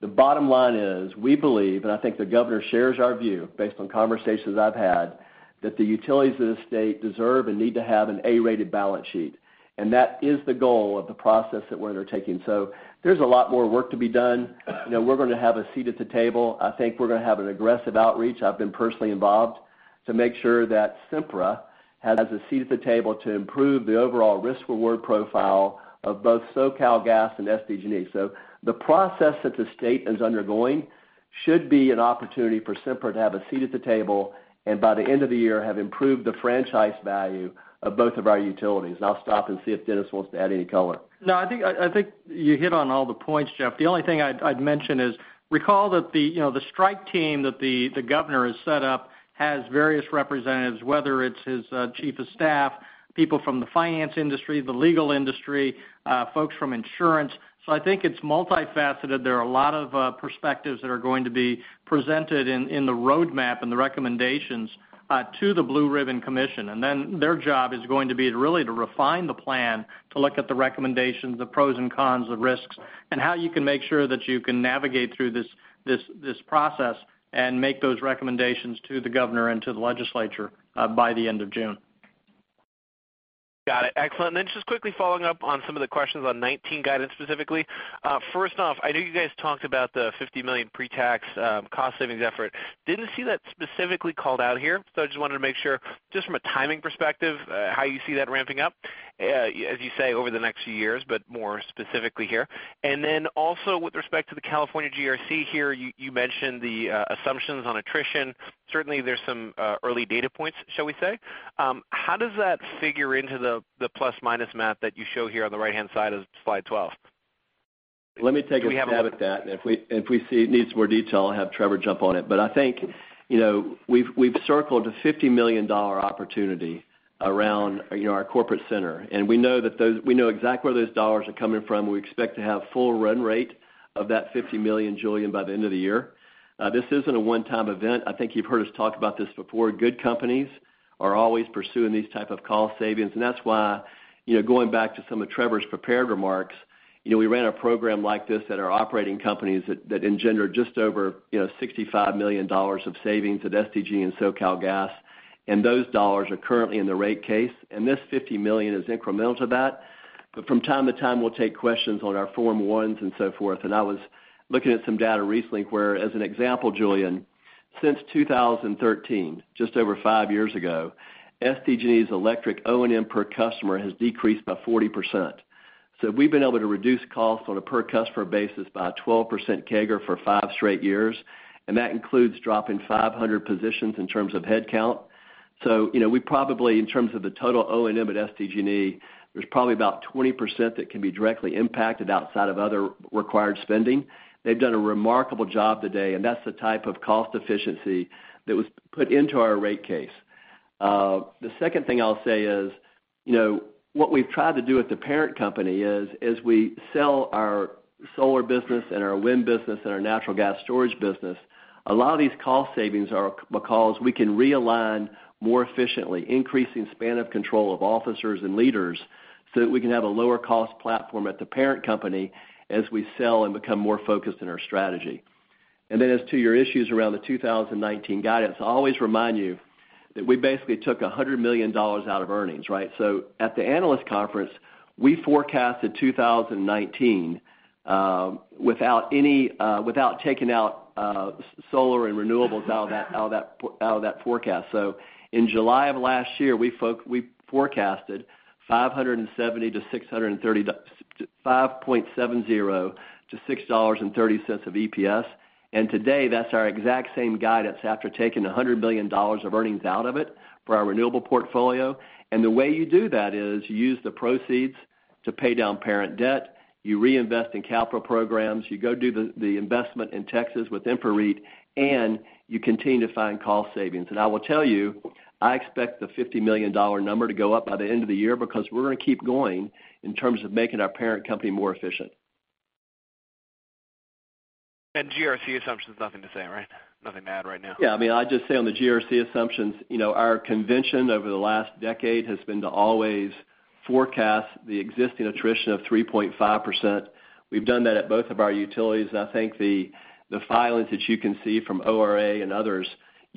The bottom line is we believe, and I think the governor shares our view based on conversations I've had, that the utilities of the state deserve and need to have an A-rated balance sheet. That is the goal of the process that we're undertaking. There's a lot more work to be done. We're going to have a seat at the table. I think we're going to have an aggressive outreach. I've been personally involved to make sure that Sempra has a seat at the table to improve the overall risk-reward profile of both SoCalGas and SDG&E. The process that the state is undergoing should be an opportunity for Sempra to have a seat at the table, and by the end of the year, have improved the franchise value of both of our utilities. I'll stop and see if Dennis wants to add any color. No, I think you hit on all the points, Jeff. The only thing I'd mention is recall that the strike team that the governor has set up has various representatives, whether it's his chief of staff, people from the finance industry, the legal industry, folks from insurance. I think it's multifaceted. There are a lot of perspectives that are going to be presented in the roadmap and the recommendations to the Blue Ribbon Commission. Then their job is going to be really to refine the plan to look at the recommendations, the pros and cons, the risks, and how you can make sure that you can navigate through this process and make those recommendations to the governor and to the legislature by the end of June. Got it. Excellent. Then just quickly following up on some of the questions on 2019 guidance specifically. First off, I know you guys talked about the $50 million pre-tax cost savings effort. Didn't see that specifically called out here, so I just wanted to make sure, just from a timing perspective, how you see that ramping up, as you say, over the next few years, but more specifically here. Then also with respect to the California GRC here, you mentioned the assumptions on attrition. Certainly, there's some early data points, shall we say. How does that figure into the +/- map that you show here on the right-hand side of slide 12? Let me take a stab at that. If we see it needs more detail, I'll have Trevor jump on it. I think, we've circled a $50 million opportunity around our corporate center, and we know exactly where those dollars are coming from. We expect to have full run rate of that $50 million, Julien, by the end of the year. This isn't a one-time event. I think you've heard us talk about this before. Good companies are always pursuing these type of cost savings. That's why, going back to some of Trevor's prepared remarks, we ran a program like this at our operating companies that engendered just over $65 million of savings at SDG&E and SoCalGas, and those dollars are currently in the rate case, and this $50 million is incremental to that. From time to time, we'll take questions on our Form 1s and so forth. I was looking at some data recently where, as an example, Julien, since 2013, just over five years ago, SDG&E's electric O&M per customer has decreased by 40%. We've been able to reduce costs on a per customer basis by 12% CAGR for five straight years, and that includes dropping 500 positions in terms of headcount. We probably, in terms of the total O&M at SDG&E, there's probably about 20% that can be directly impacted outside of other required spending. They've done a remarkable job to date, and that's the type of cost efficiency that was put into our rate case. The second thing I'll say is, what we've tried to do at the parent company is as we sell our solar business and our wind business and our natural gas storage business, a lot of these cost savings are because we can realign more efficiently, increasing span of control of officers and leaders, so that we can have a lower cost platform at the parent company as we sell and become more focused in our strategy. Then as to your issues around the 2019 guidance, I always remind you that we basically took $100 million out of earnings. Right. At the analyst conference, we forecasted 2019, without taking out solar and renewables out of that forecast. In July of last year, we forecasted $5.70 to $6.30 of EPS. Today, that's our exact same guidance after taking $100 million of earnings out of it for our renewable portfolio. The way you do that is you use the proceeds to pay down parent debt, you reinvest in capital programs, you go do the investment in Texas with InfraREIT, and you continue to find cost savings. I will tell you, I expect the $50 million number to go up by the end of the year because we're going to keep going in terms of making our parent company more efficient. GRC assumption's nothing to say, right? Nothing to add right now. I'd just say on the GRC assumptions, our convention over the last decade has been to always forecast the existing attrition of 3.5%. We've done that at both of our utilities, and I think the filings that you can see from ORA and others,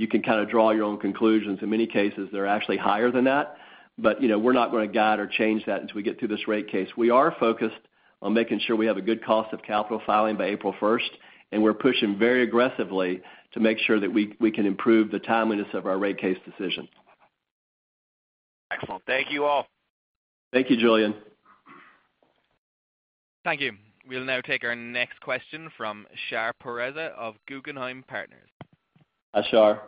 you can kind of draw your own conclusions. In many cases, they're actually higher than that. We're not going to guide or change that until we get through this rate case. We are focused on making sure we have a good cost of capital filing by April 1st, and we're pushing very aggressively to make sure that we can improve the timeliness of our rate case decision. Excellent. Thank you, all. Thank you, Julien. Thank you. We will now take our next question from Shahriar Pourreza of Guggenheim Partners. Hi, Shar.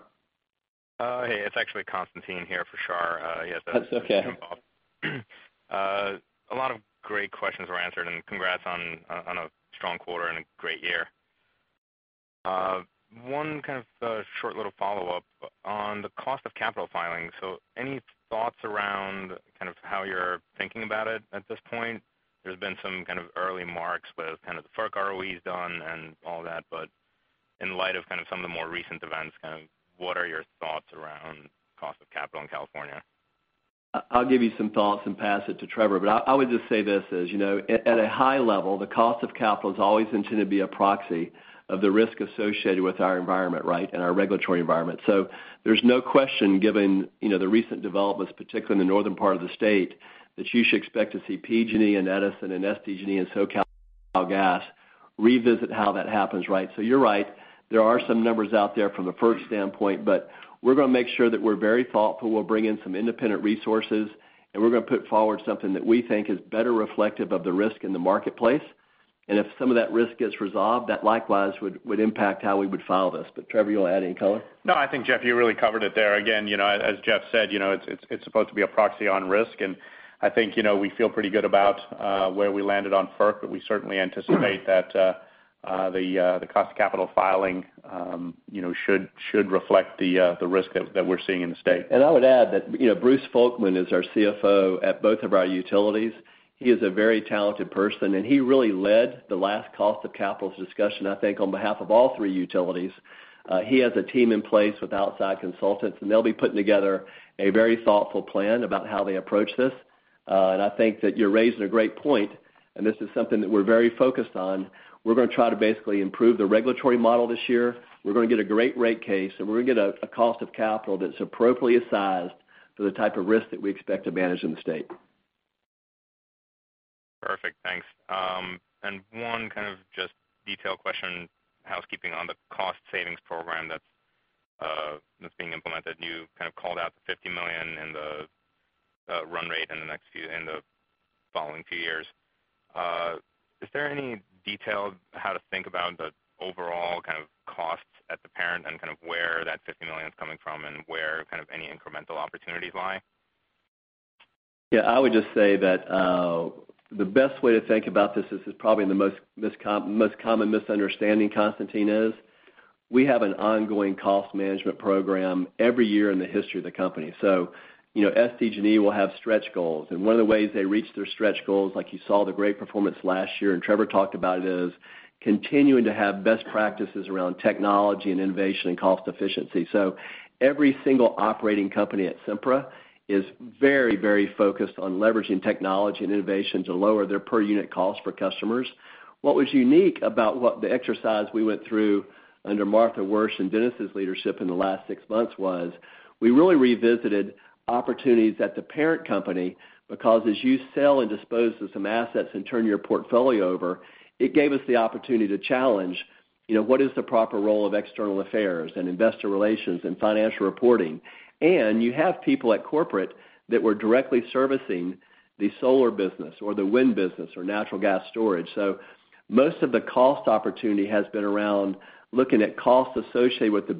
Hey, it is actually Constantine here for Shar. That is okay. conflict involved. A lot of great questions were answered, and congrats on a strong quarter and a great year. One kind of short little follow-up on the cost of capital filings. Any thoughts around kind of how you're thinking about it at this point? There's been some kind of early marks, both kind of the FERC ROE is done and all that, but in light of kind of some of the more recent events, kind of what are your thoughts around cost of capital in California? I'll give you some thoughts and pass it to Trevor. I would just say this is, at a high level, the cost of capital is always intended to be a proxy of the risk associated with our environment, right? Our regulatory environment. There's no question given the recent developments, particularly in the northern part of the state, that you should expect to see PG&E and Edison and SDG&E and SoCalGas revisit how that happens, right? You're right. There are some numbers out there from a FERC standpoint. We're going to make sure that we're very thoughtful. We'll bring in some independent resources, and we're going to put forward something that we think is better reflective of the risk in the marketplace. If some of that risk gets resolved, that likewise would impact how we would file this. Trevor, you want to add any color? No, I think, Jeff, you really covered it there. Again, as Jeff said, it's supposed to be a proxy on risk. I think, we feel pretty good about where we landed on FERC, but we certainly anticipate that the cost of capital filing should reflect the risk that we're seeing in the state. I would add that Bruce Folkmann is our CFO at both of our utilities. He is a very talented person, he really led the last cost of capital discussion, I think on behalf of all three utilities. He has a team in place with outside consultants, they'll be putting together a very thoughtful plan about how they approach this. I think that you're raising a great point, this is something that we're very focused on. We're going to try to basically improve the regulatory model this year. We're going to get a great rate case, we're going to get a cost of capital that's appropriately sized for the type of risk that we expect to manage in the state. Perfect. Thanks. One kind of just detail question, housekeeping on the cost savings program that's being implemented. You kind of called out the $50 million in the run rate in the following few years. Is there any detail how to think about the overall kind of costs at the parent and kind of where that $50 million is coming from and where kind of any incremental opportunities lie? Yeah, I would just say that, the best way to think about this is probably the most common misunderstanding, Constantine, is we have an ongoing cost management program every year in the history of the company. So, SDG&E will have stretch goals, one of the ways they reach their stretch goals, like you saw the great performance last year, and Trevor talked about it, is continuing to have best practices around technology and innovation and cost efficiency. So every single operating company at Sempra is very focused on leveraging technology and innovation to lower their per unit cost for customers. What was unique about what the exercise we went through under Martha Wyrsch and Dennis' leadership in the last six months was, we really revisited opportunities at the parent company because as you sell and dispose of some assets and turn your portfolio over, it gave us the opportunity to challenge what is the proper role of external affairs and investor relations and financial reporting. You have people at corporate that were directly servicing the solar business or the wind business or natural gas storage. So most of the cost opportunity has been around looking at costs associated with the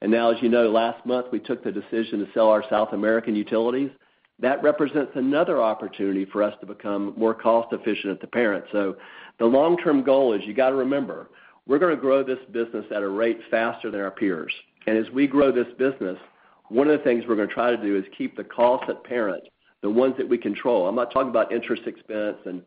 businesses that we're selling. Now, as you know, last month, we took the decision to sell our South American utilities. That represents another opportunity for us to become more cost efficient at the parent. The long-term goal is you got to remember, we're going to grow this business at a rate faster than our peers. As we grow this business, one of the things we're going to try to do is keep the cost at parent, the ones that we control. I'm not talking about interest expense and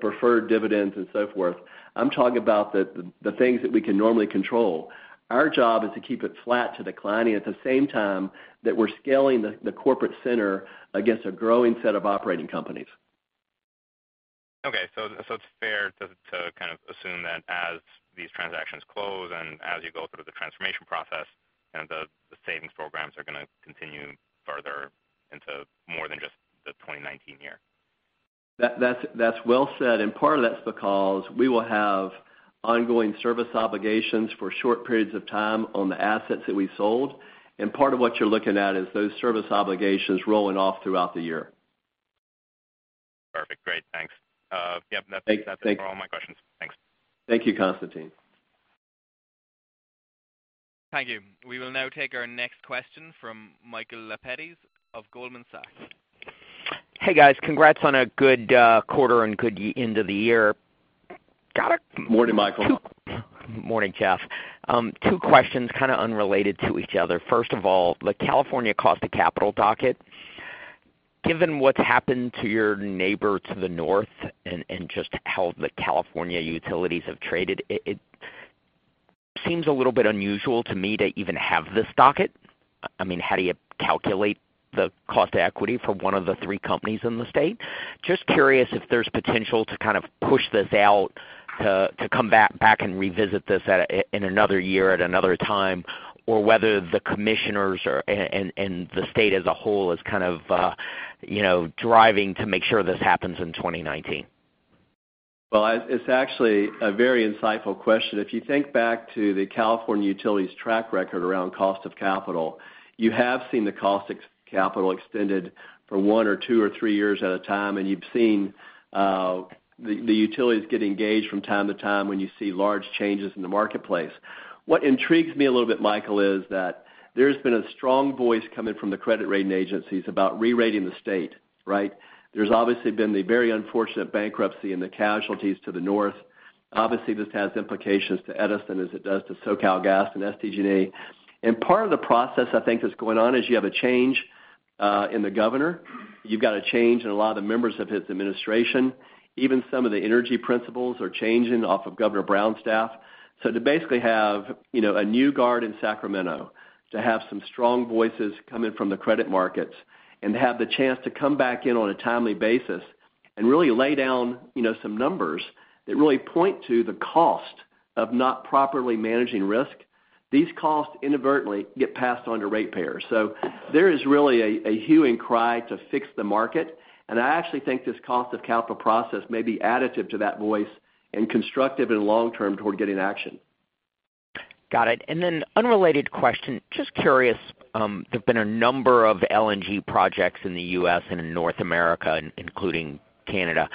preferred dividends and so forth. I'm talking about the things that we can normally control. Our job is to keep it flat to declining at the same time that we're scaling the corporate center against a growing set of operating companies. Okay. It's fair to kind of assume that as these transactions close and as you go through the transformation process, the savings programs are going to continue further into more than just the 2019 year. That's well said. Part of that's because we will have ongoing service obligations for short periods of time on the assets that we sold. Part of what you're looking at is those service obligations rolling off throughout the year. Perfect. Great. Thanks. Yep, that's all my questions. Thanks. Thank you, Constantine. Thank you. We will now take our next question from Michael Lapides of Goldman Sachs. Hey, guys. Congrats on a good quarter and good end of the year. Got it. Morning, Michael. Morning, Jeff. Two questions kind of unrelated to each other. First of all, the California cost of capital docket. Given what's happened to your neighbor to the north and just how the California utilities have traded, it seems a little bit unusual to me to even have this docket. I mean, how do you calculate the cost to equity for one of the three companies in the state? Just curious if there's potential to kind of push this out to come back and revisit this in another year at another time, or whether the commissioners and the state as a whole is kind of driving to make sure this happens in 2019. Well, it's actually a very insightful question. If you think back to the California Utilities track record around cost of capital, you have seen the cost of capital extended for one or two or three years at a time, and you've seen the utilities get engaged from time to time when you see large changes in the marketplace. What intrigues me a little bit, Michael, is that there's been a strong voice coming from the credit rating agencies about re-rating the state. Right? There's obviously been the very unfortunate bankruptcy and the casualties to the north. Obviously, this has implications to Edison as it does to SoCalGas and SDG&E. Part of the process I think that's going on is you have a change in the governor. You've got a change in a lot of the members of his administration. Even some of the energy principals are changing off of Governor Brown's staff. To basically have a new guard in Sacramento, to have some strong voices coming from the credit markets and have the chance to come back in on a timely basis and really lay down some numbers that really point to the cost of not properly managing risk. These costs inadvertently get passed on to ratepayers. There is really a hue and cry to fix the market, and I actually think this cost of capital process may be additive to that voice and constructive in the long term toward getting action. Got it. Unrelated question, just curious, there have been a number of LNG projects in the U.S. and in North America, including Canada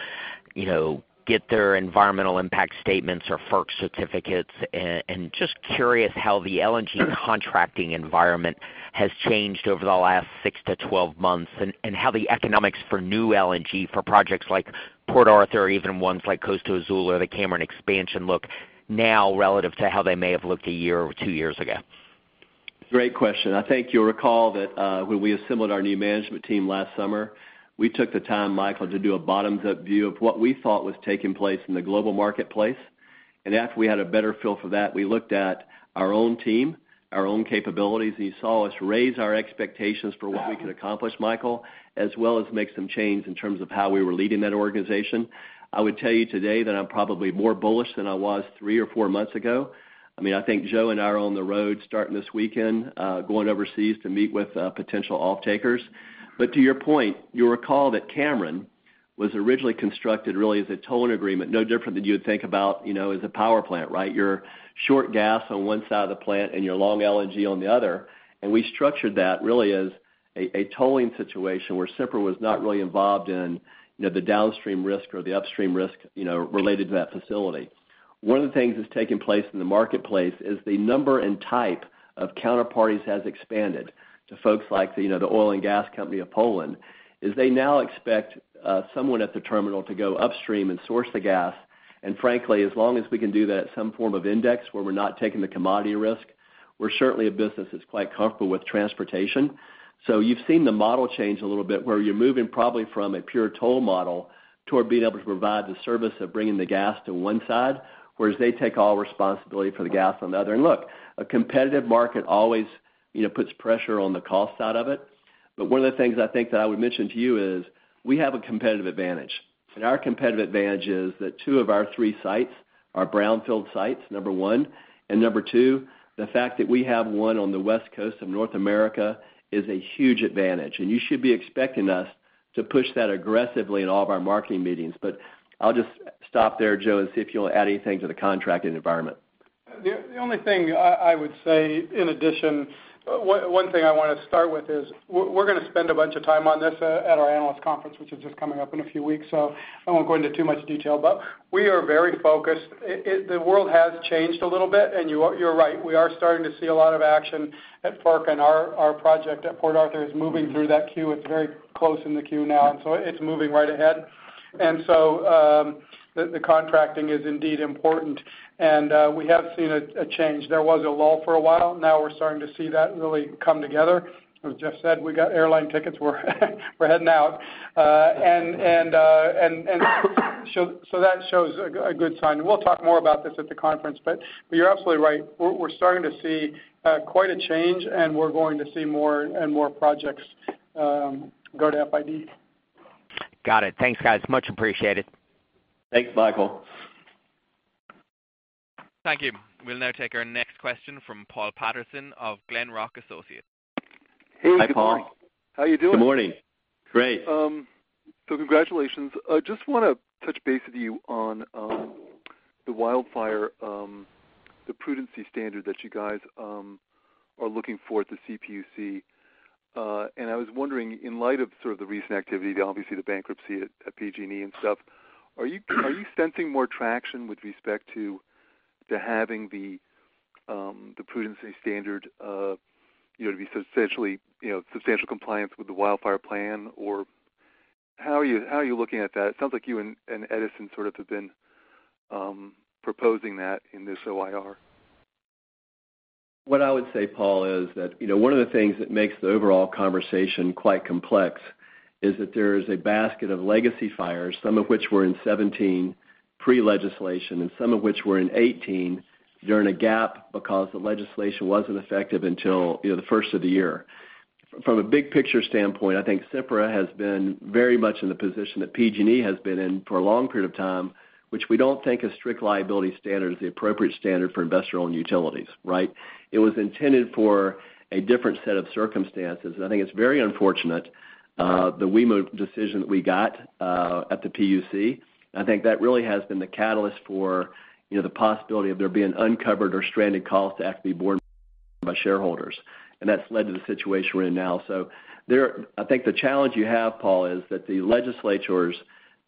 get their environmental impact statements or FERC certificates. Just curious how the LNG contracting environment has changed over the last six to 12 months and how the economics for new LNG for projects like Port Arthur, even ones like Energía Costa Azul or the Cameron LNG expansion look now relative to how they may have looked a year or two years ago. Great question. I think you'll recall that when we assembled our new management team last summer, we took the time, Michael, to do a bottoms-up view of what we thought was taking place in the global marketplace. After we had a better feel for that, we looked at our own team, our own capabilities, and you saw us raise our expectations for what we could accomplish, Michael, as well as make some changes in terms of how we were leading that organization. I would tell you today that I'm probably more bullish than I was three or four months ago. I think Joe and I are on the road starting this weekend, going overseas to meet with potential off-takers. To your point, you'll recall that Cameron was originally constructed really as a tolling agreement, no different than you would think about as a power plant, right? Your short gas on one side of the plant and your long LNG on the other. We structured that really as a tolling situation where Sempra was not really involved in the downstream risk or the upstream risk related to that facility. One of the things that's taken place in the marketplace is the number and type of counterparties has expanded to folks like the Oil and Gas Company of Poland, is they now expect someone at the terminal to go upstream and source the gas. Frankly, as long as we can do that at some form of index where we're not taking the commodity risk, we're certainly a business that's quite comfortable with transportation. You've seen the model change a little bit, where you're moving probably from a pure toll model toward being able to provide the service of bringing the gas to one side, whereas they take all responsibility for the gas on the other. Look, a competitive market always puts pressure on the cost out of it. One of the things I think that I would mention to you is we have a competitive advantage, and our competitive advantage is that two of our three sites are brownfield sites, number one. Number two, the fact that we have one on the West Coast of North America is a huge advantage, and you should be expecting us to push that aggressively in all of our marketing meetings. I'll just stop there, Joe, and see if you want to add anything to the contracting environment. The only thing I would say in addition, one thing I want to start with is we're going to spend a bunch of time on this at our analyst conference, which is just coming up in a few weeks. I won't go into too much detail, we are very focused. The world has changed a little bit, and you're right, we are starting to see a lot of action at FERC, and our project at Port Arthur is moving through that queue. It's very close in the queue now, it's moving right ahead. The contracting is indeed important. We have seen a change. There was a lull for a while. Now we're starting to see that really come together. As Jeff said, we got airline tickets, we're heading out. That shows a good sign. We'll talk more about this at the conference. You're absolutely right. We're starting to see quite a change. We're going to see more and more projects go to FID. Got it. Thanks, guys. Much appreciated. Thanks, Michael. Thank you. We'll now take our next question from Paul Patterson of Glenrock Associates. Hi, Paul. Hey, good morning. How you doing? Good morning. Great. Congratulations. Just want to touch base with you on the wildfire, the prudency standard that you guys are looking for at the CPUC. I was wondering, in light of sort of the recent activity, obviously the bankruptcy at PG&E and stuff, are you sensing more traction with respect to having the prudency standard to be substantial compliance with the wildfire plan? How are you looking at that? It sounds like you and Edison sort of have been proposing that in this OIR. What I would say, Paul, is that one of the things that makes the overall conversation quite complex is that there is a basket of legacy fires, some of which were in 2017, pre-legislation, and some of which were in 2018 during a gap because the legislation wasn't effective until the first of the year. From a big picture standpoint, I think Sempra has been very much in the position that PG&E has been in for a long period of time, which we don't think a strict liability standard is the appropriate standard for investor-owned utilities. Right? It was intended for a different set of circumstances. I think it's very unfortunate, the WEMA decision that we got at the PUC. I think that really has been the catalyst for the possibility of there being uncovered or stranded costs to have to be borne by shareholders. That's led to the situation we're in now. I think the challenge you have, Paul, is that the legislatures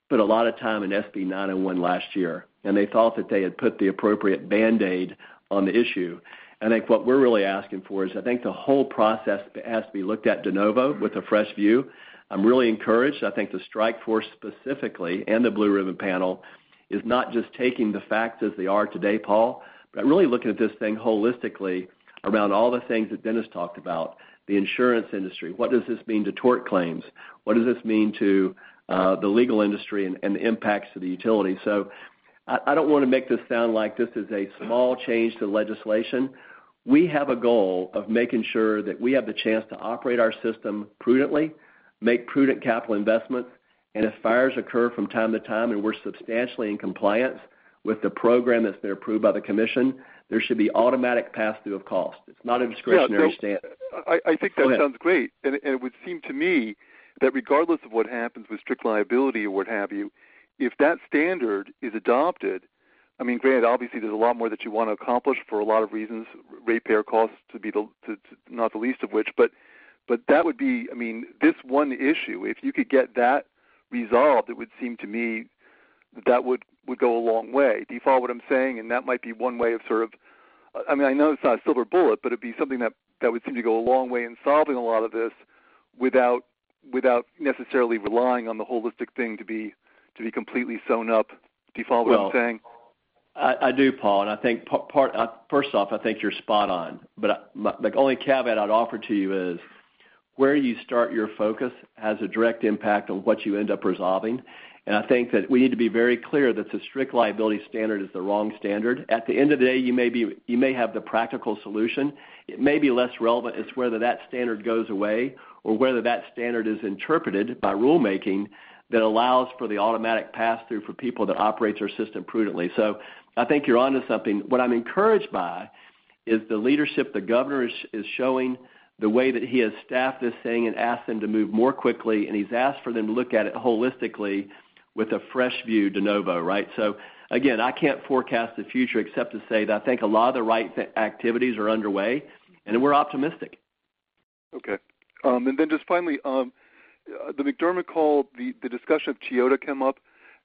put a lot of time in SB 901 last year, they thought that they had put the appropriate Band-Aid on the issue. I think what we're really asking for is, I think the whole process has to be looked at de novo with a fresh view. I'm really encouraged. I think the strike force specifically and the Blue Ribbon panel is not just taking the facts as they are today, Paul, but really looking at this thing holistically around all the things that Dennis talked about. The insurance industry. What does this mean to tort claims? What does this mean to the legal industry and the impacts to the utility? I don't want to make this sound like this is a small change to legislation. We have a goal of making sure that we have the chance to operate our system prudently, make prudent capital investments, and if fires occur from time to time and we're substantially in compliance with the program that's been approved by the commission, there should be automatic pass-through of cost. It's not a discretionary standard. Yeah, I think that sounds great. Go ahead. It would seem to me that regardless of what happens with strict liability or what have you, if that standard is adopted, I mean, granted, obviously, there's a lot more that you want to accomplish for a lot of reasons, ratepayer costs not the least of which, that would be this one issue. If you could get that resolved, it would seem to me that would go a long way. Do you follow what I'm saying? That might be one way of sort of I know it's not a silver bullet, but it'd be something that would seem to go a long way in solving a lot of this without necessarily relying on the holistic thing to be completely sewn up. Do you follow what I'm saying? Well, I do, Paul. I think, first off, I think you're spot on. The only caveat I'd offer to you is where you start your focus has a direct impact on what you end up resolving. I think that we need to be very clear that the strict liability standard is the wrong standard. At the end of the day, you may have the practical solution. It may be less relevant. It's whether that standard goes away or whether that standard is interpreted by rulemaking that allows for the automatic pass-through for people that operate their system prudently. I think you're onto something. What I'm encouraged by is the leadership the Governor is showing, the way that he has staffed this thing and asked them to move more quickly, and he's asked for them to look at it holistically with a fresh view, de novo. Right? Again, I can't forecast the future except to say that I think a lot of the right activities are underway, and we're optimistic. Okay. Just finally, the McDermott call, the discussion of Chiyoda came up,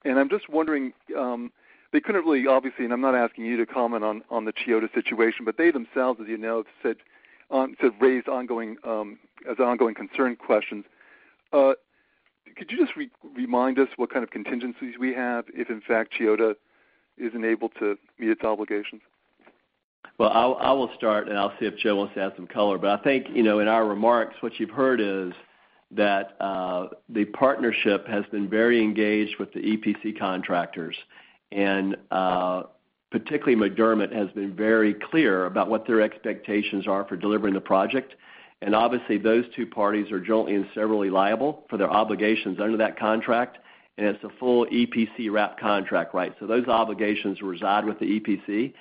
and I'm just wondering, they couldn't really, obviously, and I'm not asking you to comment on the Chiyoda situation, they themselves, as you know, have raised as ongoing concern questions. Could you just remind us what kind of contingencies we have if, in fact, Chiyoda isn't able to meet its obligations? Well, I will start, and I'll see if Joe wants to add some color. I think in our remarks, what you've heard is that the partnership has been very engaged with the EPC contractors, and particularly McDermott has been very clear about what their expectations are for delivering the project. Obviously, those two parties are jointly and severally liable for their obligations under that contract, and it's a full EPC wrap contract, right? Those obligations reside with the EPC.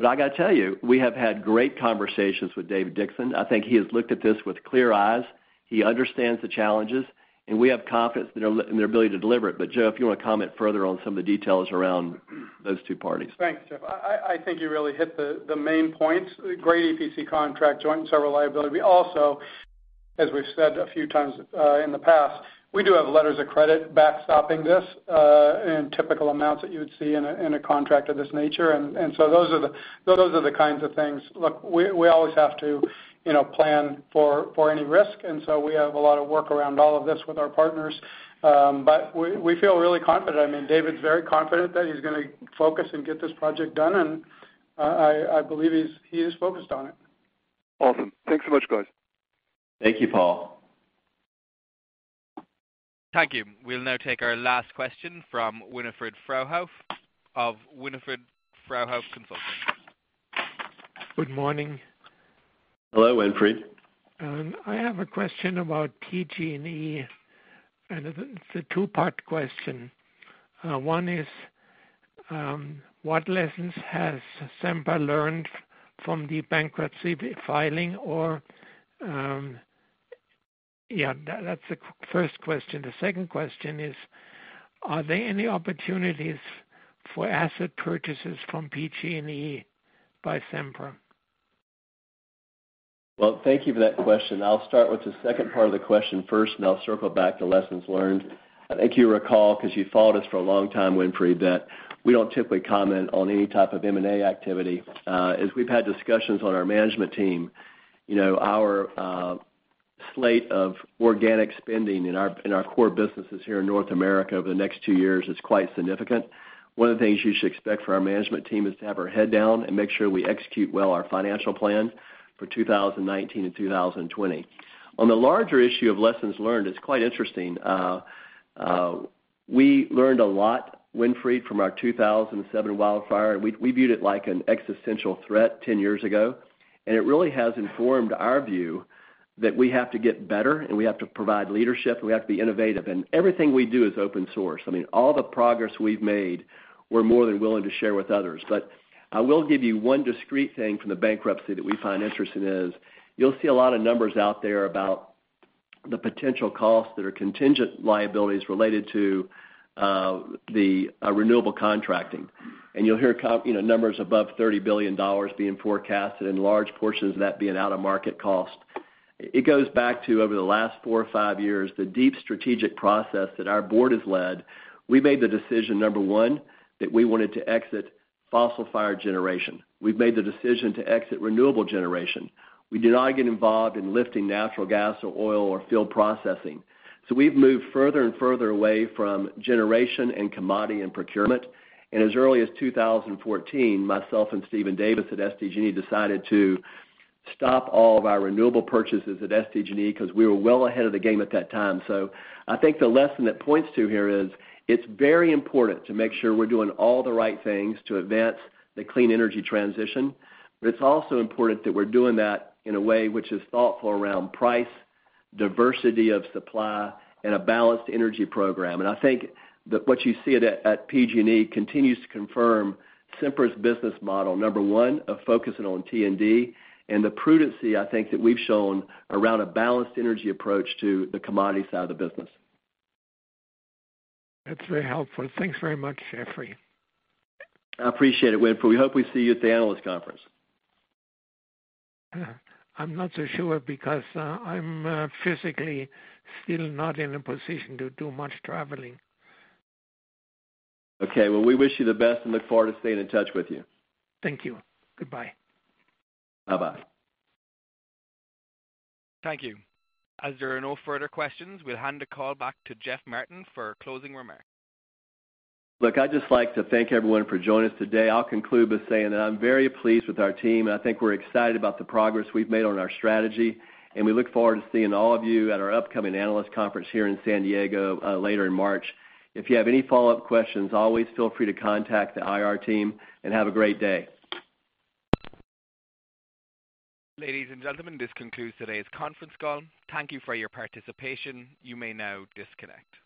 I got to tell you, we have had great conversations with David Dickson. I think he has looked at this with clear eyes. He understands the challenges, and we have confidence in their ability to deliver it. Joe, if you want to comment further on some of the details around those two parties. Thanks, Joe. I think you really hit the main points. Great EPC contract, joint and several liability. We also, as we've said a few times in the past, we do have letters of credit backstopping this- typical amounts that you would see in a contract of this nature. Those are the kinds of things. Look, we always have to plan for any risk, and so we have a lot of work around all of this with our partners. We feel really confident. David's very confident that he's going to focus and get this project done, and I believe he is focused on it. Awesome. Thanks so much, guys. Thank you, Paul. Thank you. We'll now take our last question from Winfried Fruehauf of Winfried Fruehauf Consulting. Good morning. Hello, Winfried. I have a question about PG&E, and it's a two-part question. One is, what lessons has Sempra learned from the bankruptcy filing? That's the first question. The second question is, are there any opportunities for asset purchases from PG&E by Sempra? Well, thank you for that question. I'll start with the second part of the question first, and I'll circle back to lessons learned. I think you recall, because you've followed us for a long time, Winfried, that we don't typically comment on any type of M&A activity. As we've had discussions on our management team, our slate of organic spending in our core businesses here in North America over the next two years is quite significant. One of the things you should expect from our management team is to have our head down and make sure we execute well our financial plan for 2019 and 2020. On the larger issue of lessons learned, it's quite interesting. We learned a lot, Winfried, from our 2007 wildfire. We viewed it like an existential threat 10 years ago, it really has informed our view that we have to get better, we have to provide leadership, and we have to be innovative. Everything we do is open source. All the progress we've made, we're more than willing to share with others. I will give you one discrete thing from the bankruptcy that we find interesting is you'll see a lot of numbers out there about the potential costs that are contingent liabilities related to the renewable contracting. You'll hear numbers above $30 billion being forecasted, and large portions of that being out-of-market cost. It goes back to over the last four or five years, the deep strategic process that our board has led. We made the decision, number one, that we wanted to exit fossil fire generation. We've made the decision to exit renewable generation. We did not get involved in lifting natural gas or oil or fuel processing. We've moved further and further away from generation and commodity and procurement. As early as 2014, myself and Steven Davis at SDG&E decided to stop all of our renewable purchases at SDG&E because we were well ahead of the game at that time. I think the lesson that points to here is, it's very important to make sure we're doing all the right things to advance the clean energy transition. It's also important that we're doing that in a way which is thoughtful around price, diversity of supply, and a balanced energy program. I think that what you see at PG&E continues to confirm Sempra's business model, number one, of focusing on T&D and the prudency, I think that we've shown around a balanced energy approach to the commodity side of the business. That's very helpful. Thanks very much, Jeffrey. I appreciate it, Winfried. We hope we see you at the analyst conference. I'm not so sure because I'm physically still not in a position to do much traveling. Okay. Well, we wish you the best and look forward to staying in touch with you. Thank you. Goodbye. Bye-bye. Thank you. As there are no further questions, we'll hand the call back to Jeff Martin for closing remarks. Look, I'd just like to thank everyone for joining us today. I'll conclude by saying that I'm very pleased with our team, and I think we're excited about the progress we've made on our strategy, and we look forward to seeing all of you at our upcoming analyst conference here in San Diego later in March. If you have any follow-up questions, always feel free to contact the IR team, and have a great day. Ladies and gentlemen, this concludes today's conference call. Thank you for your participation. You may now disconnect.